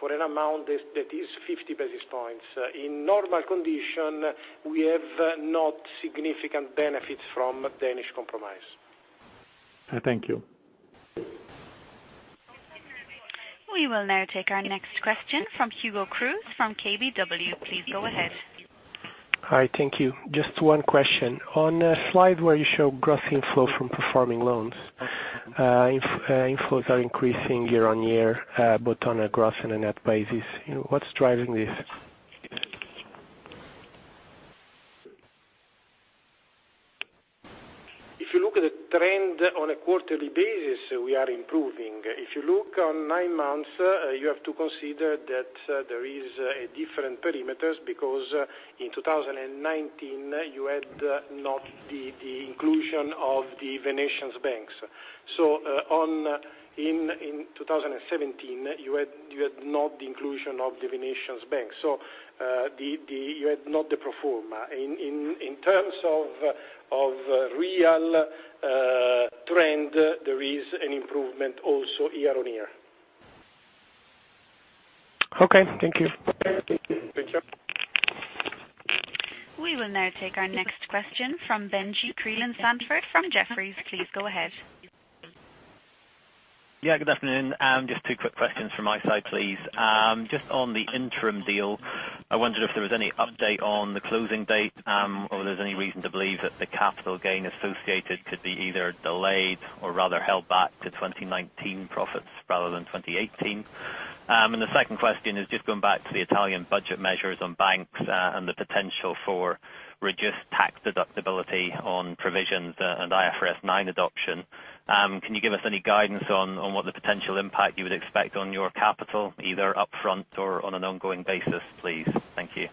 Speaker 2: for an amount that is 50 basis points. In normal condition, we have not significant benefits from Danish Compromise.
Speaker 12: Thank you.
Speaker 1: We will now take our next question from Hugo Cruz from KBW. Please go ahead.
Speaker 13: Hi, thank you. Just one question. On a slide where you show gross inflow from performing loans, inflows are increasing year-over-year, both on a gross and a net basis. What's driving this?
Speaker 2: If you look at the trend on a quarterly basis, we are improving. If you look on nine months, you have to consider that there is a different perimeter because in 2019, you had not the inclusion of the Venetian banks. In 2017, you had not the inclusion of the Venetian banks. You had not the pro forma. In terms of real trend, there is an improvement also year-over-year.
Speaker 13: Okay, thank you.
Speaker 1: We will now take our next question from Benjie Creelan-Sanford from Jefferies. Please go ahead.
Speaker 14: Good afternoon. Just two quick questions from my side, please. Just on the Intrum deal, I wondered if there was any update on the closing date, or if there's any reason to believe that the Intrum capital gain associated could be either delayed or rather held back to 2019 profits rather than 2018. The second question is just going back to the Italian budget measures on banks, and the potential for reduced tax deductibility on provisions and IFRS 9 adoption. Can you give us any guidance on what the potential impact you would expect on your capital, either up front or on an ongoing basis, please? Thank you.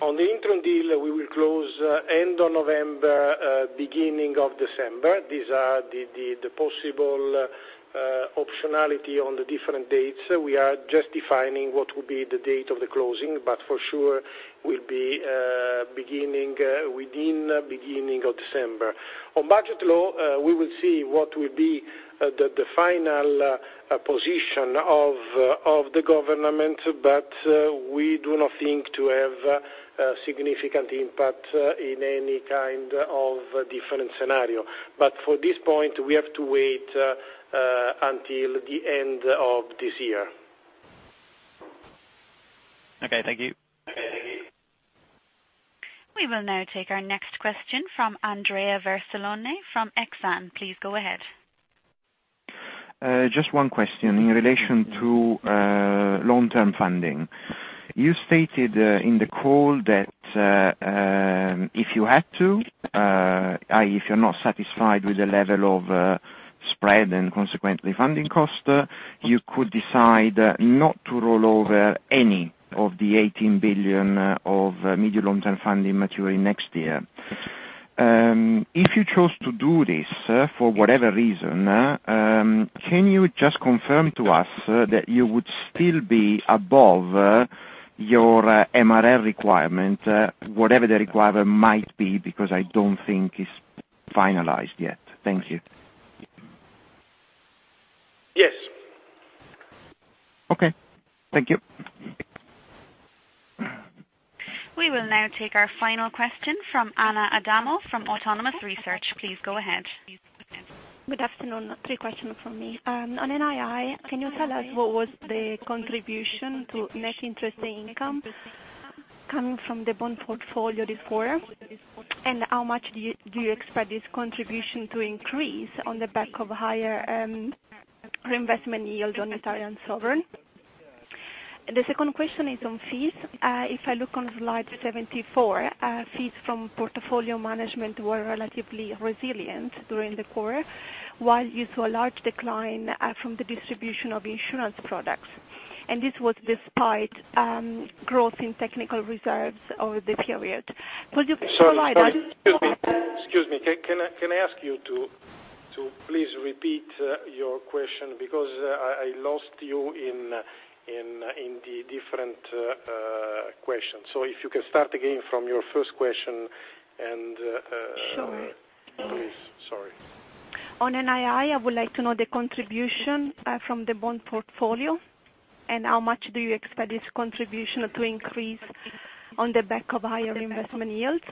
Speaker 2: On the Intrum deal, we will close end of November, beginning of December. These are the possible optionality on the different dates. We are just defining what will be the date of the closing. For sure, will be within beginning of December. On budget law, we will see what will be the final position of the government, but we do not think to have a significant impact in any kind of different scenario. For this point, we have to wait until the end of this year.
Speaker 14: Okay, thank you.
Speaker 1: We will now take our next question from Andrea Vercellone from Exane. Please go ahead.
Speaker 15: Just one question. In relation to long-term funding. You stated in the call that if you had to, if you're not satisfied with the level of spread and consequently funding cost, you could decide not to roll over any of the 18 billion of medium long-term funding maturing next year. If you chose to do this, for whatever reason, can you just confirm to us that you would still be above your MREL requirement, whatever the requirement might be, because I don't think it's finalized yet. Thank you.
Speaker 2: Yes.
Speaker 15: Okay. Thank you.
Speaker 1: We will now take our final question from Anna Adamo from Autonomous Research. Please go ahead.
Speaker 16: Good afternoon. Three question from me. On NII, can you tell us what was the contribution to net interest income coming from the bond portfolio this quarter? How much do you expect this contribution to increase on the back of higher reinvestment yields on Italian sovereign? The second question is on fees. If I look on slide 74, fees from portfolio management were relatively resilient during the quarter, while you saw a large decline from the distribution of insurance products. This was despite growth in technical reserves over the period. Could you provide-
Speaker 2: Sorry. Excuse me. Can I ask you to please repeat your question, because I lost you in the different questions. If you can start again from your first question, please. Sorry.
Speaker 16: On NII, I would like to know the contribution from the bond portfolio, and how much do you expect this contribution to increase on the back of higher investment yields.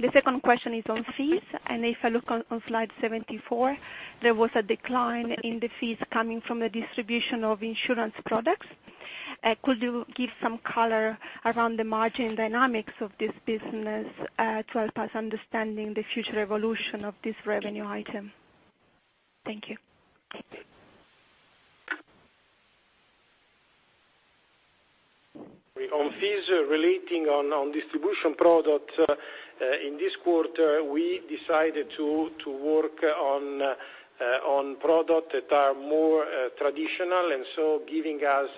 Speaker 16: The second question is on fees, if I look on slide 74, there was a decline in the fees coming from the distribution of insurance products. Could you give some color around the margin dynamics of this business to help us understanding the future evolution of this revenue item? Thank you.
Speaker 2: On fees relating on distribution product, in this quarter, we decided to work on product that are more traditional, giving us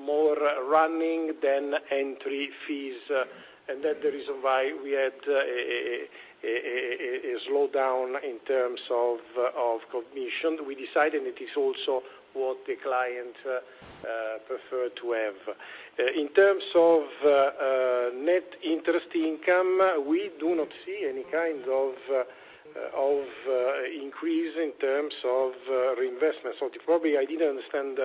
Speaker 2: more running than entry fees. That the reason why we had a slowdown in terms of commission. We decided it is also what the client prefer to have. In terms of net interest income, we do not see any kind of increase in terms of reinvestment. Probably I didn't understand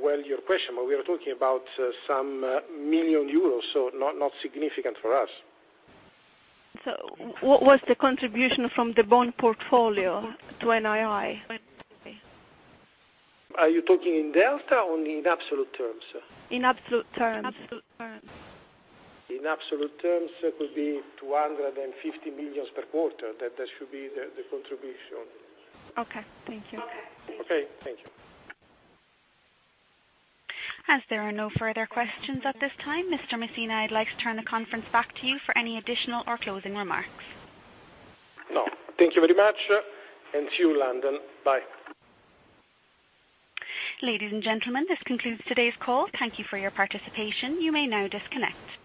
Speaker 2: well your question, but we are talking about some million euros, not significant for us.
Speaker 16: What was the contribution from the bond portfolio to NII?
Speaker 2: Are you talking in delta or in absolute terms?
Speaker 16: In absolute terms.
Speaker 2: In absolute terms, it could be 250 million per quarter, that should be the contribution.
Speaker 16: Okay. Thank you.
Speaker 2: Okay. Thank you.
Speaker 1: As there are no further questions at this time, Mr. Messina, I'd like to turn the conference back to you for any additional or closing remarks.
Speaker 2: No. Thank you very much. See you, London. Bye.
Speaker 1: Ladies and gentlemen, this concludes today's call. Thank you for your participation. You may now disconnect.